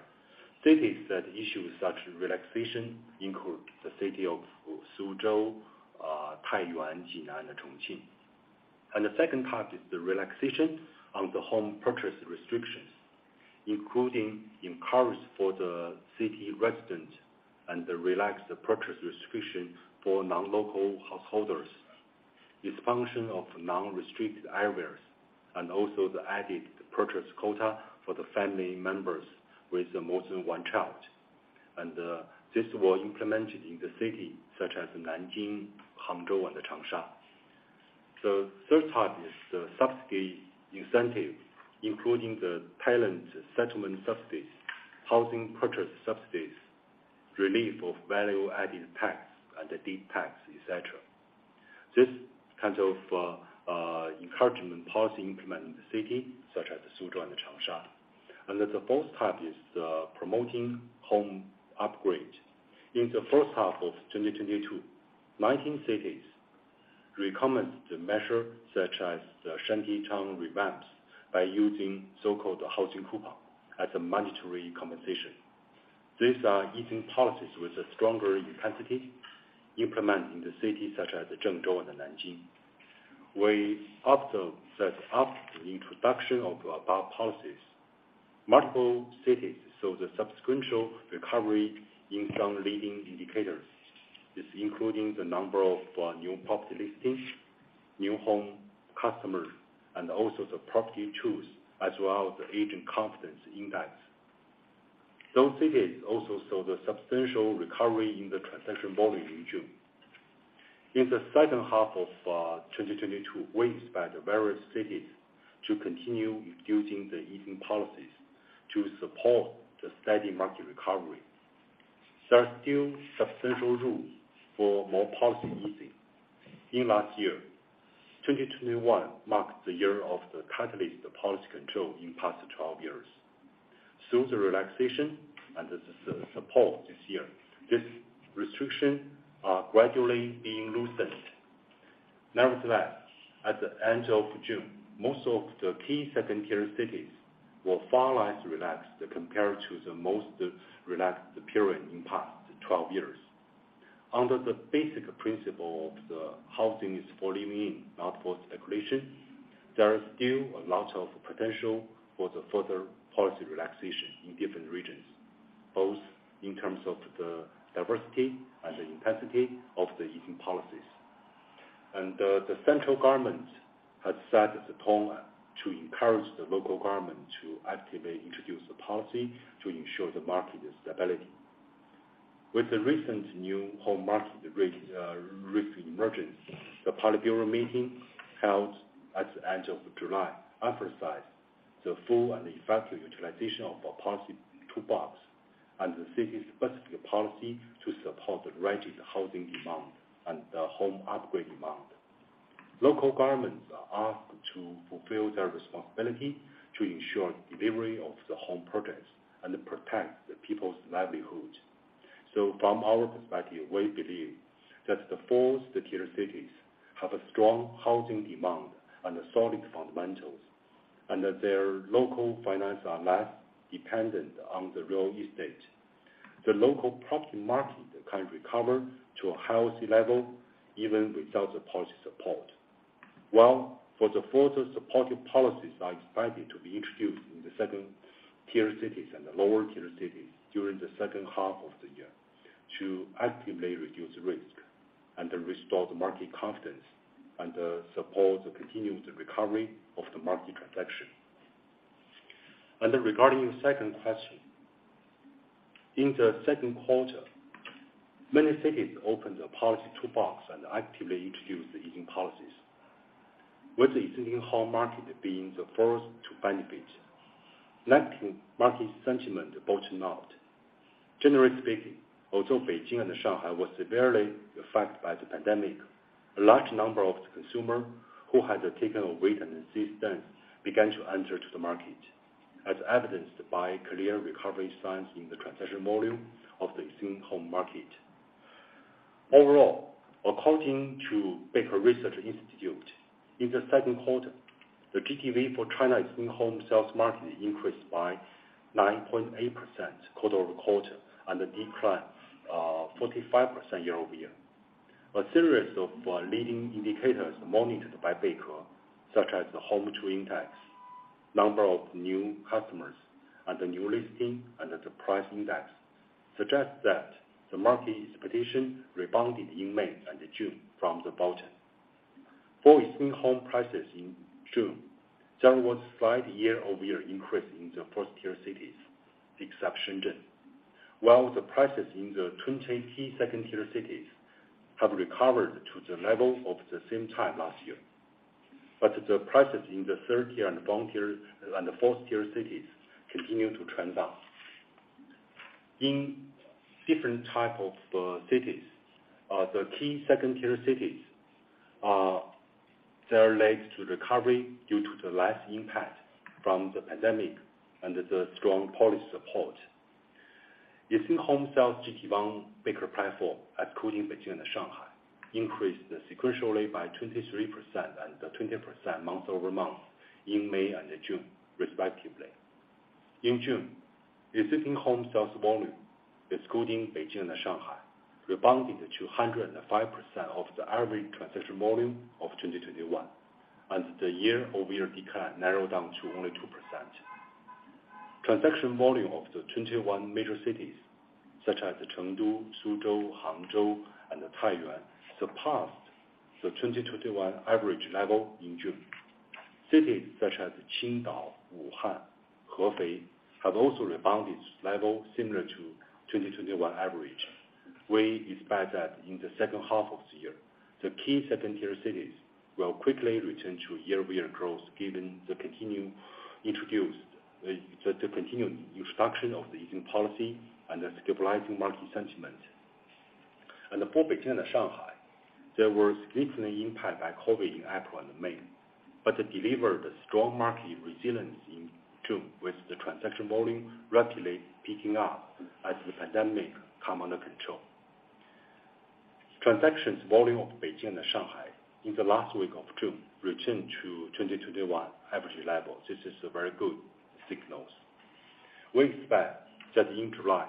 Cities that issue such relaxation include the city of Suzhou, Taiyuan, Jinan, and Chongqing. The second part is the relaxation on the home purchase restrictions, including encouragement for the city residents and the relaxed purchase restriction for non-local householders. This expansion of non-restricted areas and also the added purchase quota for the family members with more than one child. This was implemented in cities such as Nanjing, Hangzhou, and Changsha. The third part is the subsidy incentive, including the talent settlement subsidies, housing purchase subsidies, relief of value-added tax, and deed tax, et cetera. This kind of encouragement policy implemented in cities such as Suzhou and Changsha. The fourth type is promoting home upgrade. In the first half of 2022, 19 cities recommenced the measure such as the shantytown redevelopment by using so-called housing coupon as a monetary compensation. These are easing policies with a stronger intensity implemented in the cities such as Zhengzhou and Nanjing. We observe that after the introduction of above policies, multiple cities saw the sequential recovery in some leading indicators. This including the number of new property listings, new home customers, and also the property tours, as well as the agent confidence index. Those cities also saw the substantial recovery in the transaction volume in June. In the second half of 2022, we expect the various cities to continue using the easing policies to support the steady market recovery. There are still substantial room for more policy easing. In last year, 2021 marked the year of the catalyst policy control in past 12 years. The relaxation and the support this year, this restriction are gradually being loosened. Nevertheless, at the end of June, most of the key second-tier cities were far less relaxed compared to the most relaxed period in past 12 years. Under the basic principle of the housing is for living in, not for speculation, there is still a lot of potential for the further policy relaxation in different regions, both in terms of the diversity and the intensity of the easing policies. The central government has set the tone to encourage the local government to actively introduce the policy to ensure the market stability. With the recent new home market risk emergence, the Politburo meeting held at the end of July emphasized the full and effective utilization of our policy toolbox and the city-specific policy to support the rented housing demand and the home upgrade demand. Local governments are asked to fulfill their responsibility to ensure delivery of the home projects and protect the people's livelihoods. From our perspective, we believe that the four second-tier cities have a strong housing demand and solid fundamentals, and that their local finances are less dependent on the real estate. The local property market can recover to a healthy level even without the policy support. Further supportive policies are expected to be introduced in the second-tier cities and the lower-tier cities during the second half of the year to actively reduce risk and restore the market confidence and support the continued recovery of the market transaction. Regarding your second question, in the second quarter, many cities opened a policy toolbox and actively introduced the easing policies, with the existing home market being the first to benefit, letting market sentiment bottom out. Generally speaking, although Beijing and Shanghai was severely affected by the pandemic, a large number of consumer who had taken a wait-and-see stance began to enter the market, as evidenced by clear recovery signs in the transaction volume of the existing home market. Overall, according to Beike Research Institute, in the second quarter, the GTV for China existing home sales market increased by 9.8% quarter-over-quarter and a decline, 45% year-over-year. A series of leading indicators monitored by Beike, such as the home tour index, number of new customers, and the new listing, and the price index, suggest that the market expectation rebounded in May and June from the bottom. For existing home prices in June, there was slight year-over-year increase in the first-tier cities, except Shenzhen, while the prices in the 20 key second-tier cities have recovered to the level of the same time last year. The prices in the third-tier and fourth-tier cities continue to trend down. In different type of cities, the key second-tier cities are late to recovery due to the less impact from the pandemic and the strong policy support. The existing home sales GTV on Beike platform, excluding Beijing and Shanghai, increased sequentially by 23% and 20% month-over-month in May and June, respectively. In June, existing home sales volume, excluding Beijing and Shanghai, rebounded to 105% of the average transaction volume of 2021, and the year-over-year decline narrowed down to only 2%. Transaction volume of the 21 major cities, such as Chengdu, Suzhou, Hangzhou, and Taiyuan, surpassed the 2021 average level in June. Cities such as Qingdao, Wuhan, Hefei, have also rebounded to level similar to 2021 average. We expect that in the second half of the year, the key second-tier cities will quickly return to year-over-year growth, given the continued instruction of the easing policy and the stabilizing market sentiment. For Beijing and Shanghai, there were significant impact by COVID in April and May, but delivered a strong market resilience in June with the transaction volume rapidly picking up as the pandemic come under control. Transaction volume of Beijing and Shanghai in the last week of June returned to 2021 average levels. This is a very good signals. We expect that in July,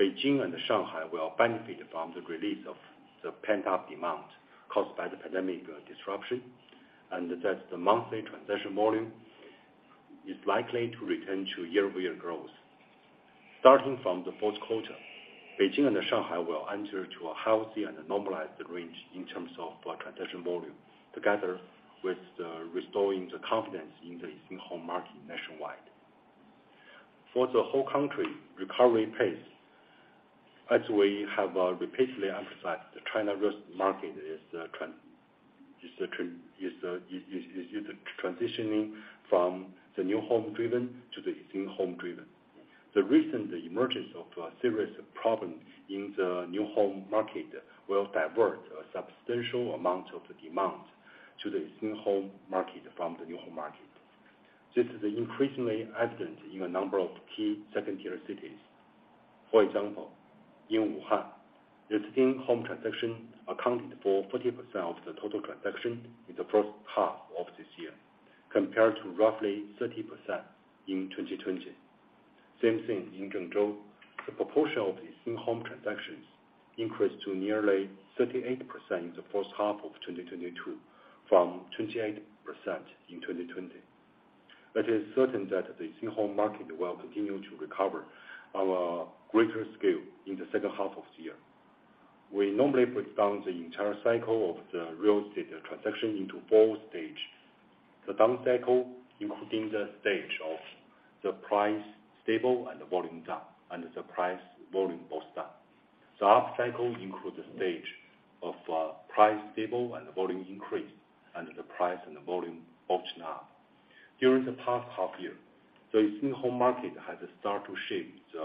Beijing and Shanghai will benefit from the release of the pent-up demand caused by the pandemic disruption, and that the monthly transaction volume is likely to return to year-over-year growth. Starting from the fourth quarter, Beijing and Shanghai will enter to a healthy and normalized range in terms of transaction volume, together with restoring the confidence in the existing home market nationwide. For the whole country recovery pace, as we have repeatedly emphasized, the China real estate market is transitioning from the new home driven to the existing home driven. The recent emergence of a serious problem in the new home market will divert a substantial amount of the demand to the existing home market from the new home market. This is increasingly evident in a number of key second-tier cities. For example, in Wuhan, the existing home transaction accounted for 40% of the total transaction in the first half of this year, compared to roughly 30% in 2020. Same thing in Zhengzhou. The proportion of existing home transactions increased to nearly 38% in the first half of 2022, from 28% in 2020. It is certain that the existing home market will continue to recover on a greater scale in the second half of the year. We normally break down the entire cycle of the real estate transaction into four stages. The down cycle, including the stage of the price stable and the volume down, and the price volume both down. The up cycle includes the stage of price stable and volume increase, and the price and the volume both up. During the past half year, the existing home market has started to shift,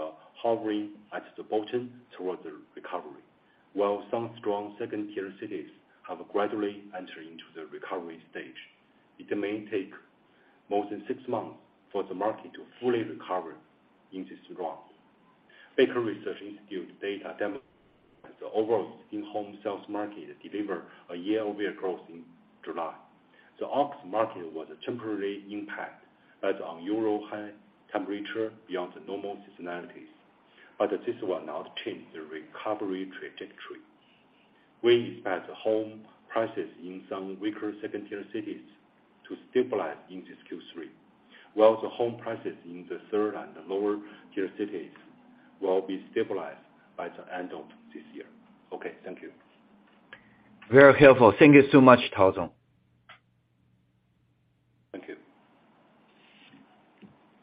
hovering at the bottom towards the recovery. While some strong second-tier cities have gradually entered into the recovery stage, it may take more than six months for the market to fully recover in this round. Beike Research Institute data shows, the overall existing home sales market delivered a year-over-year growth in July. The August market was a temporary impact as unusually high temperatures beyond the normal seasonality, but this will not change the recovery trajectory. We expect home prices in some weaker second-tier cities to stabilize in this Q3, while the home prices in the third- and lower-tier cities will be stabilized by the end of this year. Okay, thank you. Very helpful. Thank you so much, Tao Xu. Thank you.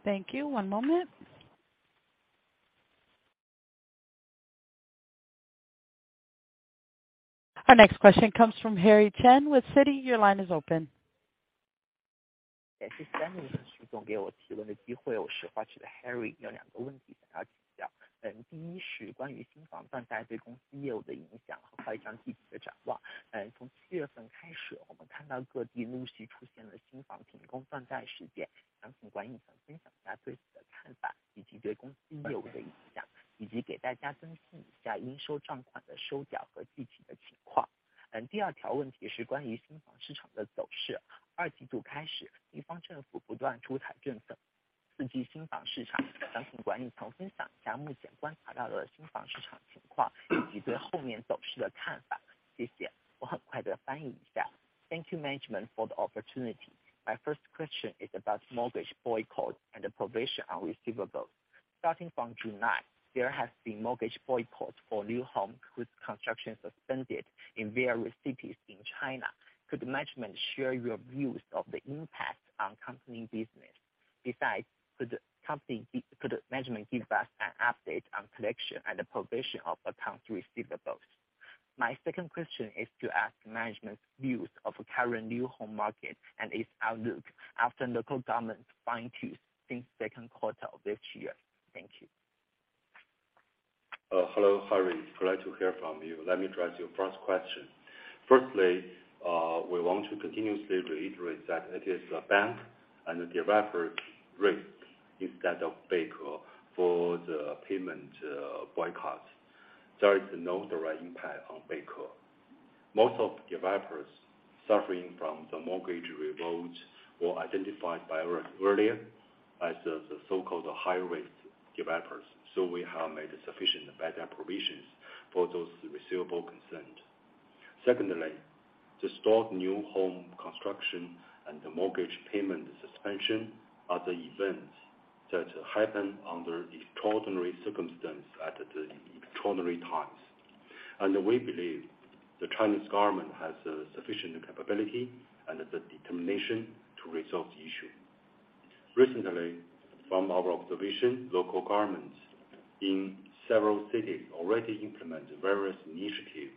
Thank you. One moment. Our next question comes from Harry Chen with Citi. Your line is open. Thank you, management, for the opportunity. My first question is about mortgage boycott and the provision on receivables. Starting from July, there has been mortgage boycotts for new home whose construction suspended in various cities in China. Could management share your views of the impact on company business? Besides, could management give us an update on collection and the provision of accounts receivables? My second question is to ask management's views of current new home market and its outlook after local government fine-tune since second quarter of this year? Thank you. Hello, Harry. It's great to hear from you. Let me address your first question. Firstly, we want to continuously reiterate that it is the bank and the developer risk instead of Beike for the payment boycott. So it's no direct impact on Beike. Most of developers suffering from the mortgage boycott were identified by us earlier as the so-called high-risk developers, so we have made sufficient bad debt provisions for those receivables concerned. Secondly, the stalled new home construction and the mortgage payment suspension are the events that happen under extraordinary circumstance at the extraordinary times. We believe the Chinese government has the sufficient capability and the determination to resolve the issue. Recently, from our observation, local governments in several cities already implement various initiative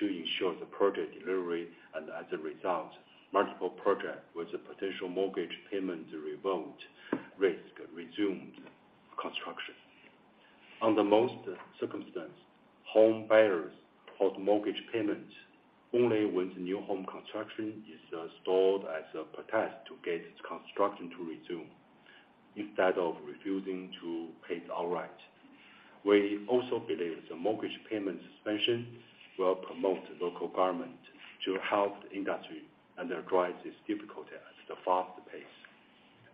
to ensure the project delivery, and as a result, multiple project with a potential mortgage payment [revolt] risk resumed construction. Under most circumstances, home buyers halt mortgage payment only when the new home construction is stalled as a protest to get its construction to resume, instead of refusing to pay direct. We also believe the mortgage payment suspension will promote the local government to help the industry understand its difficulties at a faster pace,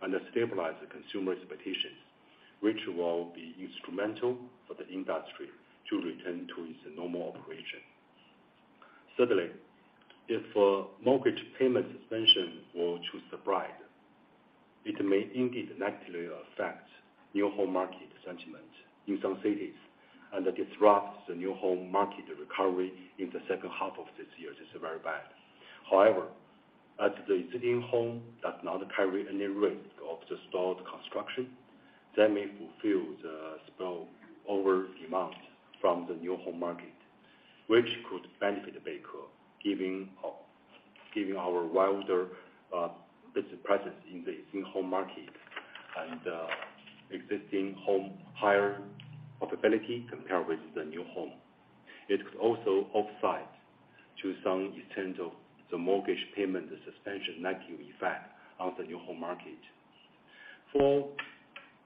and stabilize consumer expectations, which will be instrumental for the industry to return to its normal operations. Thirdly, if mortgage payment suspension were to spread, it may indeed negatively affect new home market sentiment in some cities, and disrupt the new home market recovery in the second half of this year, which is very bad. However, as the existing home does not carry any risk of the stalled construction, that may fulfill the spillover demand from the new home market, which could benefit Beike, giving our wider business presence in the existing home market and existing home higher profitability compared with the new home. It could also offset to some extent the negative effect of the mortgage payment suspension on the new home market. For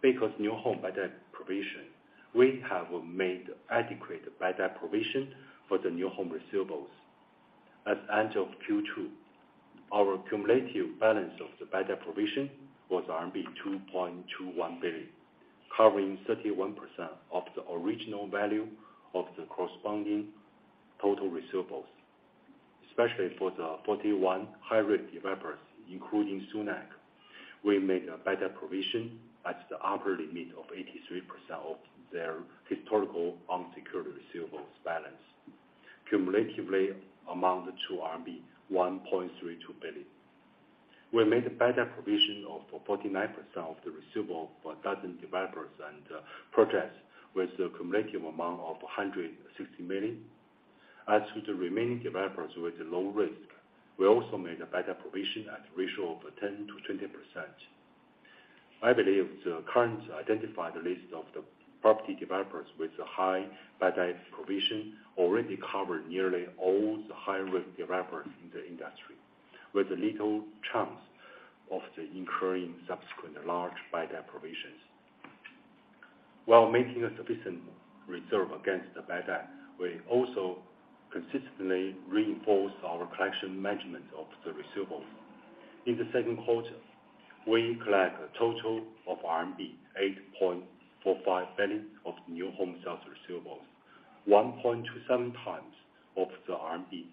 Beike's new home bad debt provision, we have made adequate bad debt provision for the new home receivables. At the end of Q2, our cumulative balance of the bad debt provision was RMB 2.21 billion, covering 31% of the original value of the corresponding total receivables. Especially for the 41 high-risk developers, including Sunac, we made a bad debt provision at the upper limit of 83% of their historical unsecured receivables balance, cumulatively amount to RMB 1.32 billion. We made bad debt provision of 49% of the receivable for a dozen developers and projects with a cumulative amount of 160 million. As to the remaining developers with low risk, we also made a bad debt provision at a ratio of 10%-20%. I believe the current identified list of the property developers with a high bad debt provision already covered nearly all the high-risk developers in the industry, with little chance of the incurring subsequent large bad debt provisions. While making a sufficient reserve against the bad debt, we also consistently reinforce our collection management of the receivables. In the second quarter, we collected a total of RMB 8.45 billion of new home sales receivables, 1.27 times of the RMB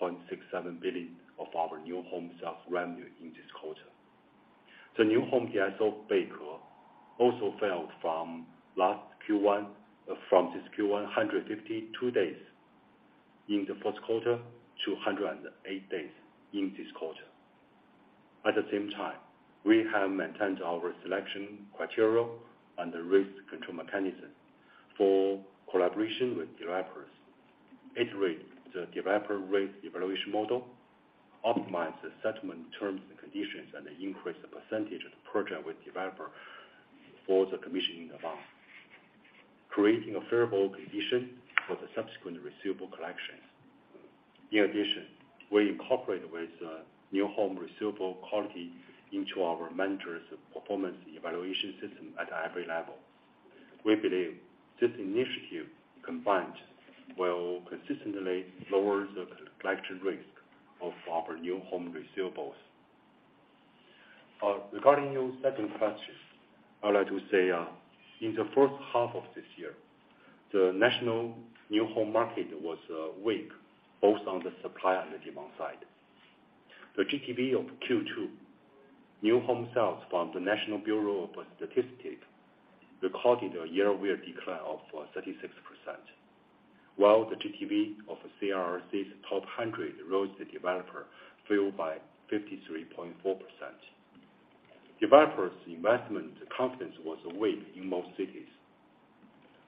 6.67 billion of our new home sales revenue in this quarter. The new home DSO of Beike also fell from last Q1, 152 days in the first quarter to 108 days in this quarter. At the same time, we have maintained our selection criteria and the risk control mechanism for collaboration with developers. We iterated the developer risk evaluation model, optimized the settlement terms and conditions, and increased the percentage of the projects with developers for the commission amount, creating a favorable condition for the subsequent receivable collections. In addition, we incorporated with new home receivable quality into our managers' performance evaluation system at every level. We believe this initiative combined will consistently lower the collection risk of our new home receivables. Regarding your second question, I'd like to say, in the first half of this year, the national new home market was weak, both on the supply and the demand side. The GTV of Q2 new home sales from the National Bureau of Statistics recorded a year-over-year decline of 36%, while the GTV of CRIC's top 100 real estate developers fell by 53.4%. Developers' investment confidence was weak in most cities.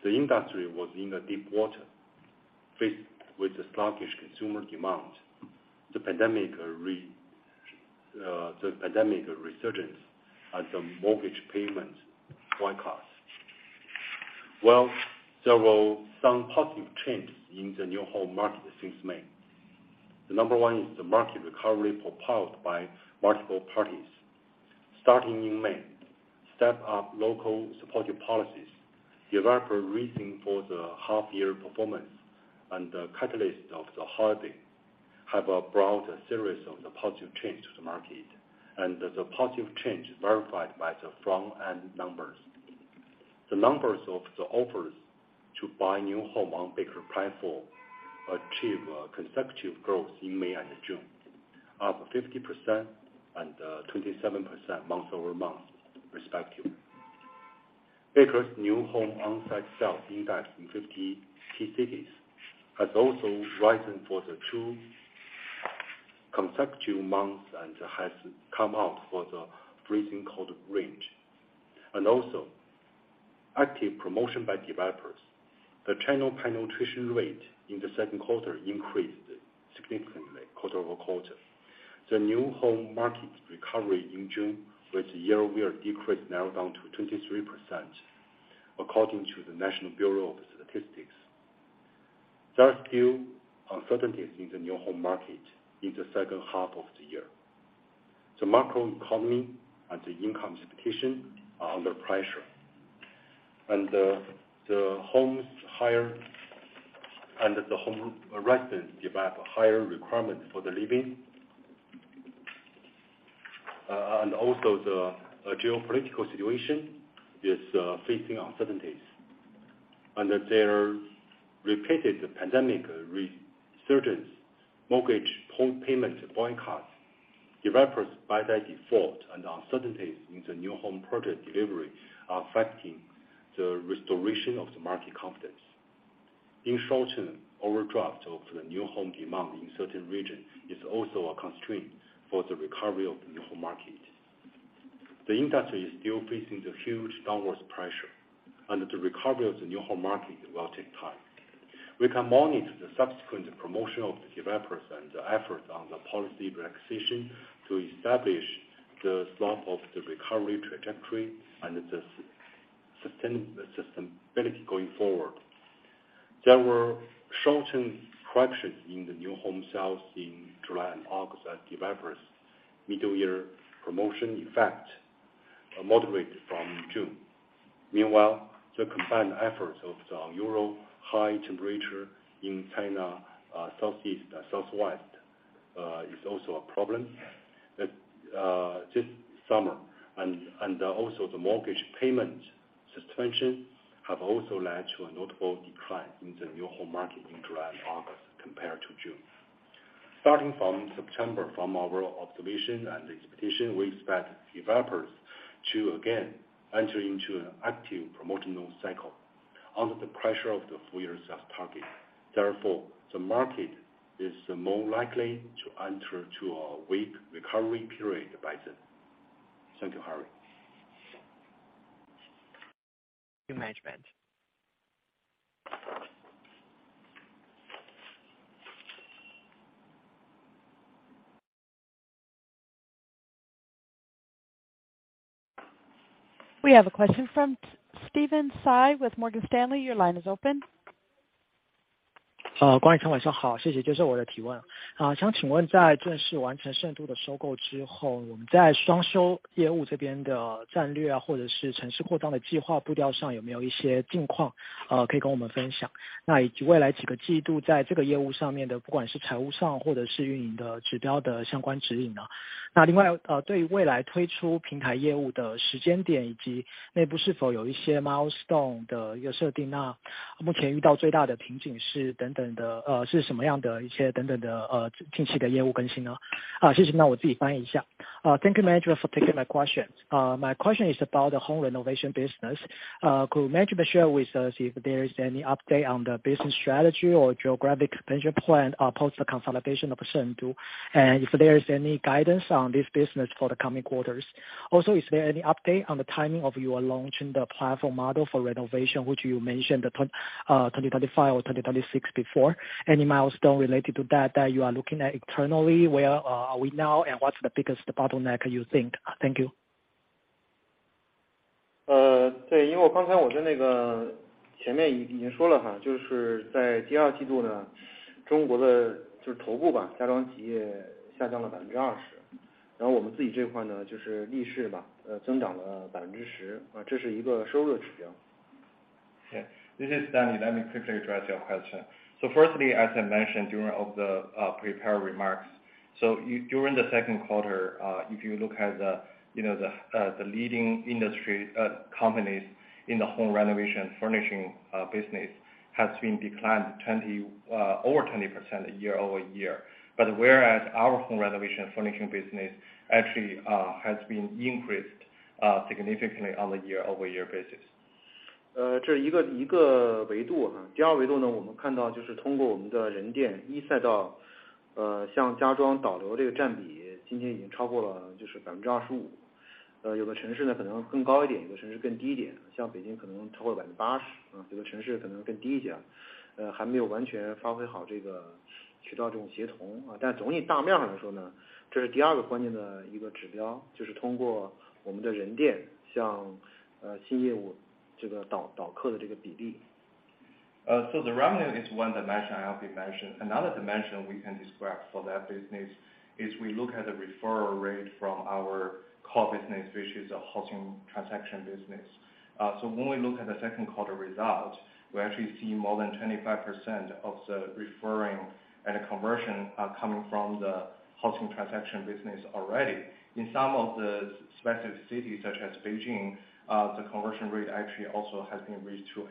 The industry was in deep water, faced with the sluggish consumer demand, the pandemic resurgence, and the mortgage payment boycott. Well, there were some positive trends in the new home market since May. The number one is the market recovery propelled by multiple parties. Starting in May, step up local supportive policies, developer racing for the half-year performance, and the catalyst of the holiday have brought a series of the positive change to the market. The positive change is verified by the front-end numbers. The numbers of the offers to buy new home on Beike platform achieved consecutive growth in May and June, up 50% and 27% month-over-month, respectively. Beike's new home on-site sales index in 50 key cities has also risen for two consecutive months and has come out of the freezing cold range. Active promotion by developers. The channel penetration rate in the second quarter increased significantly quarter-over-quarter. The new home market recovery in June, with year-over-year decrease narrowed down to 23% according to the National Bureau of Statistics. There are still uncertainties in the new home market in the second half of the year. The macroeconomy and the income expectation are under pressure. The home residents develop higher requirements for the living. The geopolitical situation is also facing uncertainties. Under the repeated pandemic resurgence, mortgage payment boycott, developers' bad debt default, and uncertainties in the new home project delivery are affecting the restoration of the market confidence. In short, overdraft of the new home demand in certain regions is also a constraint for the recovery of the new home market. The industry is still facing the huge downward pressure, and the recovery of the new home market will take time. We can monitor the subsequent promotion of the developers and the effort on the policy relaxation to establish the slope of the recovery trajectory and the sustainability going forward. There were short-term corrections in the new home sales in July and August as developers' mid-year promotion effect moderated from June. Meanwhile, the combined efforts of the unusual high temperature in China, southeast and southwest, is also a problem. This summer and also the mortgage payment suspension have also led to a notable decline in the new home market in July and August compared to June. Starting from September, from our observation and expectation, we expect developers to again enter into an active promotional cycle under the pressure of the full year sales target. Therefore, the market is more likely to enter into a weak recovery period by then. Thank you, Harry. We have a question from Steven Tsai with Morgan Stanley. Your line is open. 晚上好，谢谢接受我的提问。想请问在正式完成盛都的收购之后，我们在装修业务这边的战略或者是城市扩张的计划步调上，有没有一些近况，可以跟我们分享？以及未来几个季度在这个业务上面的，不管是财务上或者是运营的指标的相关指引呢？另外，对于未来推出平台业务的时间点，以及内部是否有一些milestone的设定呢，目前遇到最大的瓶颈是什么样的一些近期的业务更新呢？好，谢谢。那我自己翻译一下。Thank you for taking my question. My question is about the home renovation business. Could management share with us if there is any update on the business strategy or geographic expansion plan post the consolidation of Shengdu, and if there is any guidance on this business for the coming quarters? Also, is there any update on the timing of your launch in the platform model for renovation, which you mentioned the 2025 or 2026 before? Any milestone related to that that you are looking at internally? Where are we now and what's the biggest bottleneck you think? Thank you. Yeah. This is Stanley. Let me quickly address your question. Firstly, as I mentioned during the prepared remarks. During the second quarter, if you look at the, you know, the leading industry companies in the home renovation furnishing business has been declined over 20% year-over-year. Whereas our home renovation furnishing business actually has been increased significantly on the year-over-year basis. The revenue is one dimension I already mentioned. Another dimension we can describe for that business is we look at the referral rate from our core business, which is the housing transaction business. When we look at the second quarter results, we actually see more than 25% of the referring and conversion are coming from the housing transaction business already. In some of the specific cities such as Beijing, the conversion rate actually also has been raised to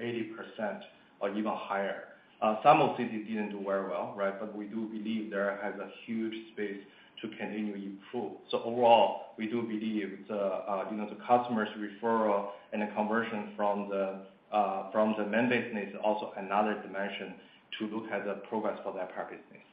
80% or even higher. Some of cities didn't do very well, right? We do believe there has a huge space to continue improve. Overall, we do believe you know the customers referral and the conversion from the main business also another dimension to look at the progress for that part business.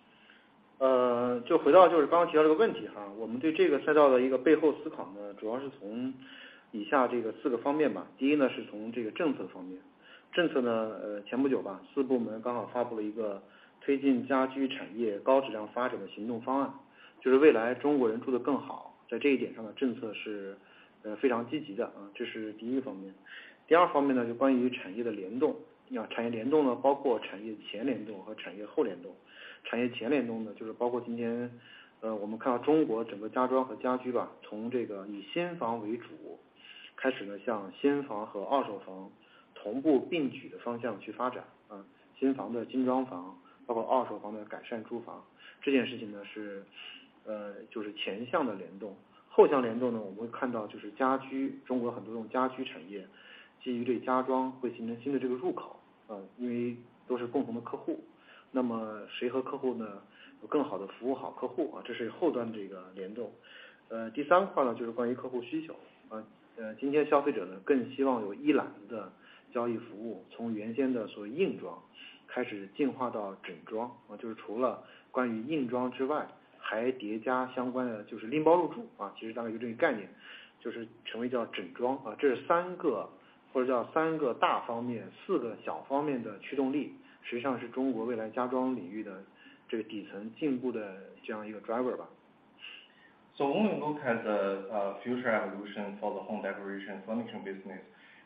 When we look at the future evolution for the home decoration furnishing business,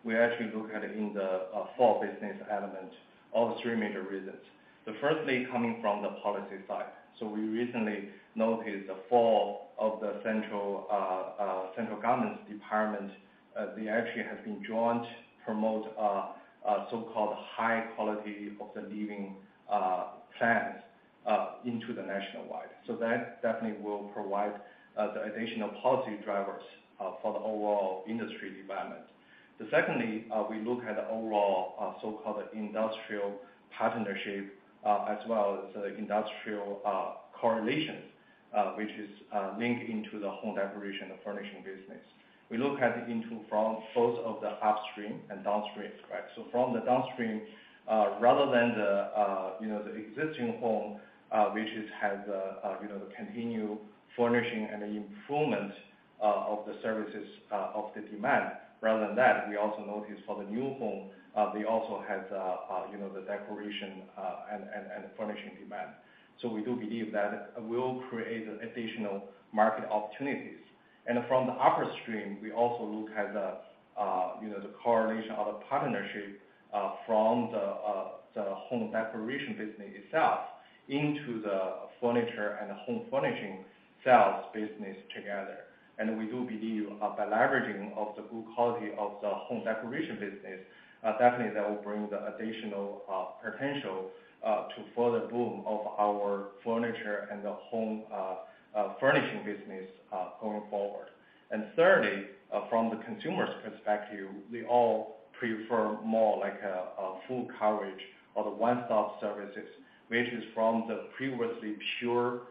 we actually look at in the four business elements of three major reasons. First coming from the policy side, so we recently noted the call of the central government's department, they actually have been jointly promote a so-called high-quality living plans into the nationwide. That definitely will provide the additional policy drivers for the overall industry development. Second, we look at the overall so-called industrial partnership, as well as the industrial correlation, which is linked into the home decoration and furnishing business. We look at into from both of the upstream and downstream, right? From the downstream, rather than, you know, the existing home, which has, you know, the continued furnishing and improvement of the services of the demand. Rather than that, we also notice for the new home, they also have, you know, the decoration and furnishing demand. We do believe that will create additional market opportunities. From the upper stream, we also look at, you know, the correlation of the partnership from the home decoration business itself into the furniture and home furnishing sales business together. We do believe by leveraging of the good quality of the home decoration business, definitely that will bring the additional potential to further boom of our furniture and the home furnishing business going forward. Thirdly, from the consumer's perspective, we all prefer more like a full coverage or the one-stop services, which is from the previously pure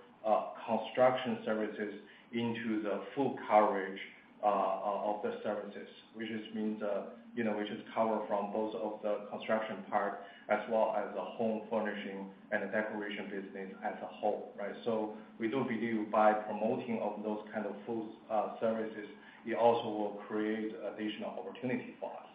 construction services into the full coverage of the services. Which means, you know, which covers from both of the construction part as well as the home furnishing and decoration business as a whole, right? We do believe by promoting of those kind of full service, it also will create additional opportunity for us.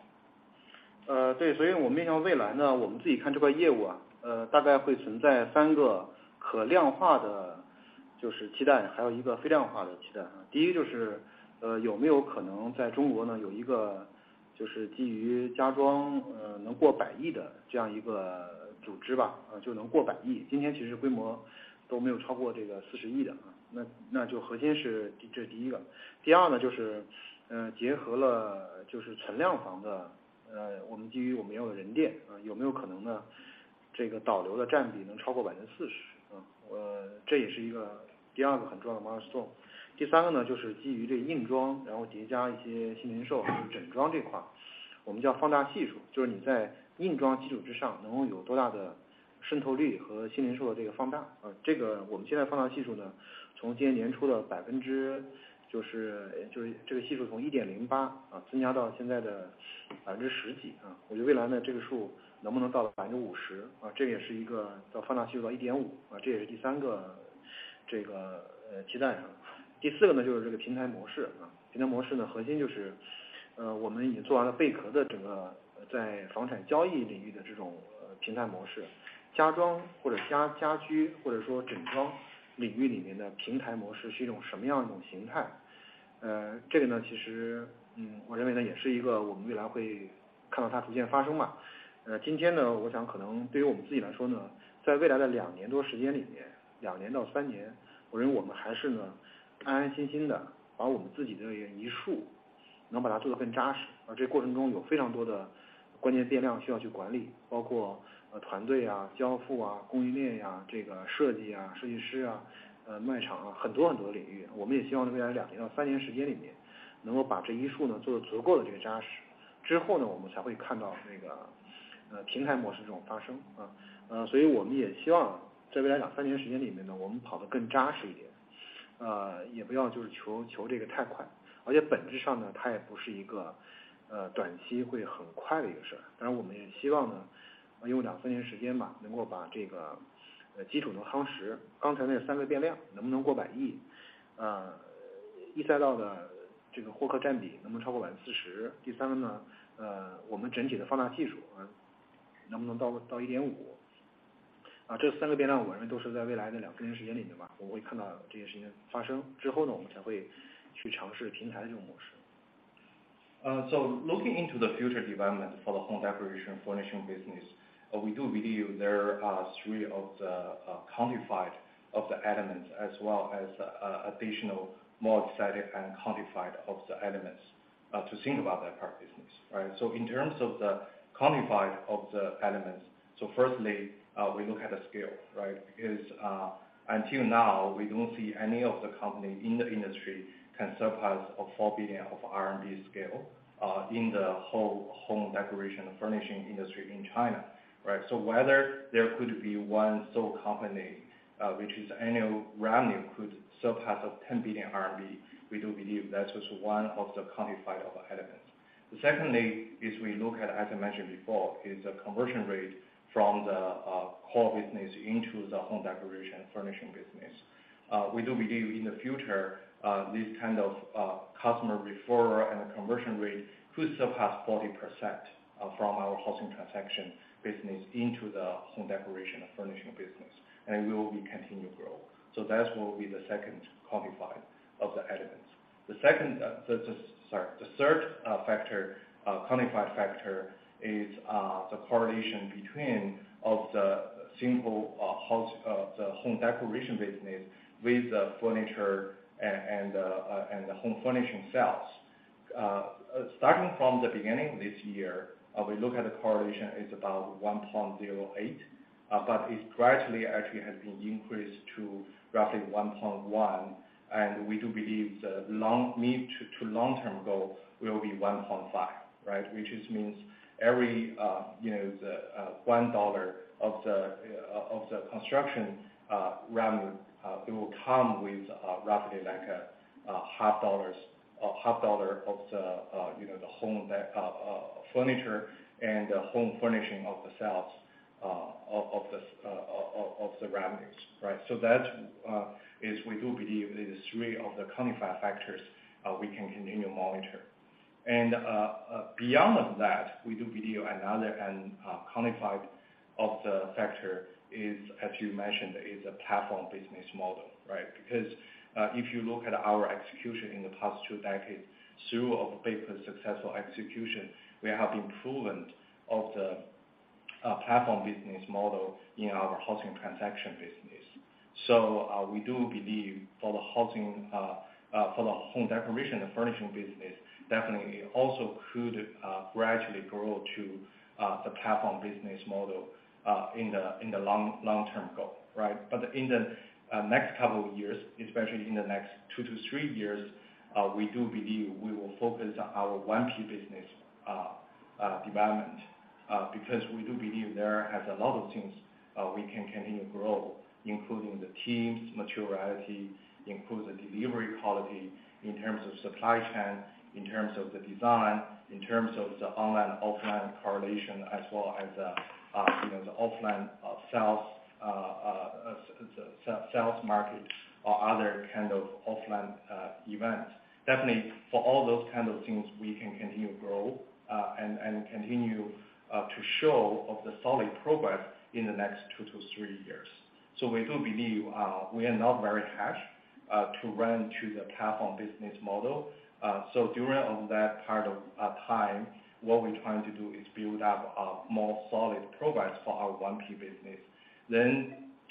Looking into the future development for the home decoration furnishing business, we do believe there are three quantifiable elements as well as additional more set and quantifiable elements to think about that part of the business, right? In terms of the quantifiable elements, firstly, we look at the scale, right? Because, until now, we don't see any company in the industry can surpass 4 billion scale in the whole home decoration furnishing industry in China, right? Whether there could be one sole company which its annual revenue could surpass 10 billion RMB, we do believe that was one of the quantifiable elements. Secondly, we look at, as I mentioned before, the conversion rate from the core business into the home decoration furnishing business. We do believe in the future, this kind of customer referral and conversion rate could surpass 40%, from our housing transaction business into the home decoration and furnishing business, and will be continue grow. So that will be the second quantify of the elements. The third factor, quantified factor is the correlation between of the single house the home decoration business with the furniture and the home furnishing sales. Starting from the beginning this year, we look at the correlation, it's about 1.08, but it gradually actually has been increased to roughly 1.1. We do believe the mid- to long-term goal will be 1.5, right? Which means every you know the $1 of the construction revenue it will come with roughly like a half dollar of the you know the furniture and the home furnishing of the sales of the revenues right? That is we do believe it is three quantifiable factors we can continue monitor. Beyond that we do believe another quantifiable factor is as you mentioned a platform business model right? Because if you look at our execution in the past two decades through Beike's successful execution we have improvement of the platform business model in our housing transaction business. We do believe for the home decoration and furnishing business, definitely it also could gradually grow to the platform business model in the long-term goal, right? In the next couple of years, especially in the next two to three years, we do believe we will focus our 1P business development. Because we do believe there has a lot of things we can continue grow, including the team's maturity, improve the delivery quality in terms of supply chain, in terms of the design, in terms of the online/offline correlation, as well as you know, the offline sales market or other kind of offline event. Definitely, for all those kind of things, we can continue grow and continue to show off the solid progress in the next two-three years. We do believe we are not very rushed to turn to the platform business model. During all that period of time, what we're trying to do is build up a more solid progress for our 1P business.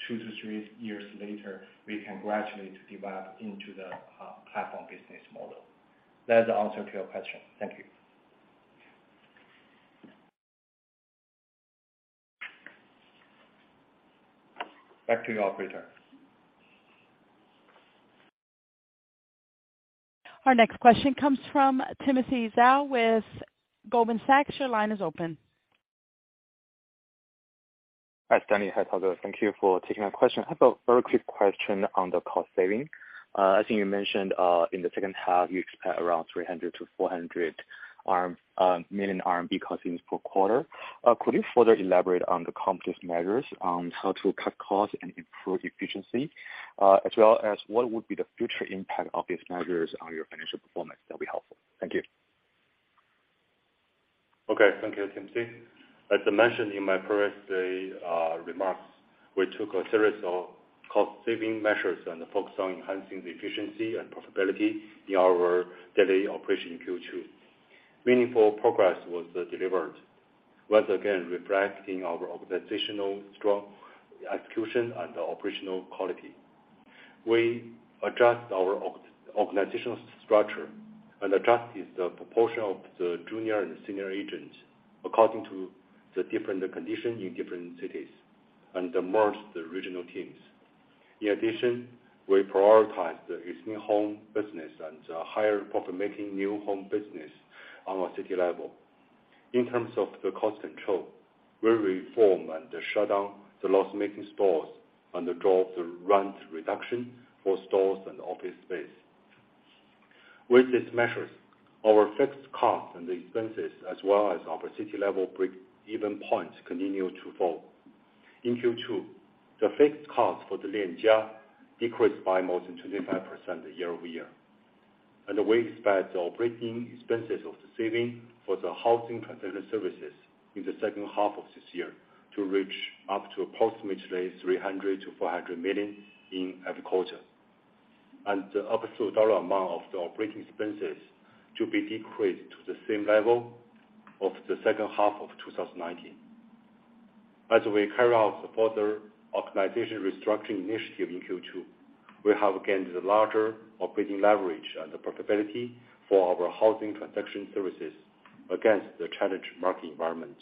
two-three years later, we can gradually develop into the platform business model. That's the answer to your question. Thank you. Back to the operator. Our next question comes from Timothy Zhao with Goldman Sachs. Your line is open. Hi, Stanley Hi, Tao Xu. Thank you for taking my question. I have a very quick question on the cost saving. I think you mentioned, in the second half, you expect around 300 million-400 million RMB cost savings per quarter. Could you further elaborate on the accomplished measures on how to cut costs and improve efficiency, as well as what would be the future impact of these measures on your financial performance? That'll be helpful. Thank you. Okay. Thank you, Timothy. As I mentioned in my previous remarks, we took a series of cost-saving measures and focused on enhancing the efficiency and profitability in our daily operation in Q2. Meaningful progress was delivered, once again, reflecting our organization's strong execution and operational quality. We adjust our organizational structure and adjust the proportion of the junior and senior agents according to the different condition in different cities and merge the regional teams. In addition, we prioritize the existing home business and higher profit-making new home business on a city level. In terms of the cost control, we reform and shut down the loss-making stores and drove the rent reduction for stores and office space. With these measures, our fixed cost and the expenses, as well as our city-level break-even points continue to fall. In Q2, the fixed cost for the Lianjia decreased by more than 25% year-over-year. We expect the operating expenses savings for the housing transaction services in the second half of this year to reach up to approximately 300 million-400 million in every quarter. The absolute dollar amount of the operating expenses to be decreased to the same level of the second half of 2019. As we carry out further organizational restructuring initiative in Q2, we have gained a larger operating leverage and profitability for our housing transaction services against the challenging market environment.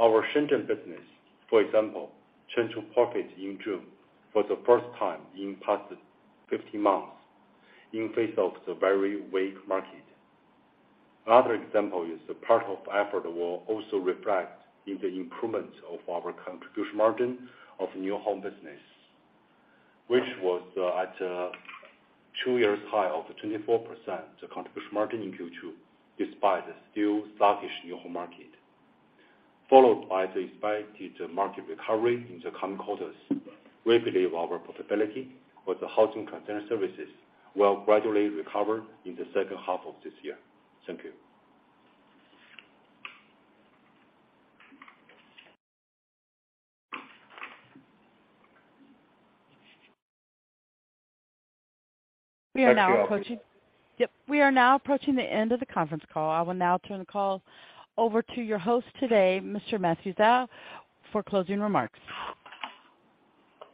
Our Shenzhen business, for example, turned to profit in June for the first time in the past 15 months in the face of the very weak market. Another example is the part of effort will also reflect in the improvement of our contribution margin of new home business, which was at a two years high of 24% contribution margin in Q2, despite the still sluggish new home market. Followed by the expected market recovery in the coming quarters, we believe our profitability with the housing transaction services will gradually recover in the second half of this year. Thank you. We are now approaching. Thank you, operator. Yep. We are now approaching the end of the conference call. I will now turn the call over to your host today, Mr. Matthew Zhao, for closing remarks.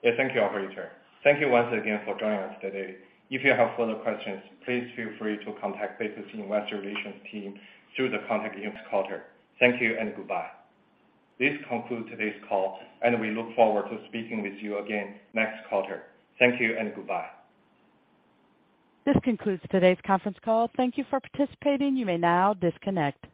Yes, thank you, operator. Thank you once again for joining us today. If you have further questions, please feel free to contact Beike's Investor Relations team through the contact in this quarter. Thank you and goodbye. This concludes today's call, and we look forward to speaking with you again next quarter. Thank you and goodbye. This concludes today's conference call. Thank you for participating. You may now disconnect.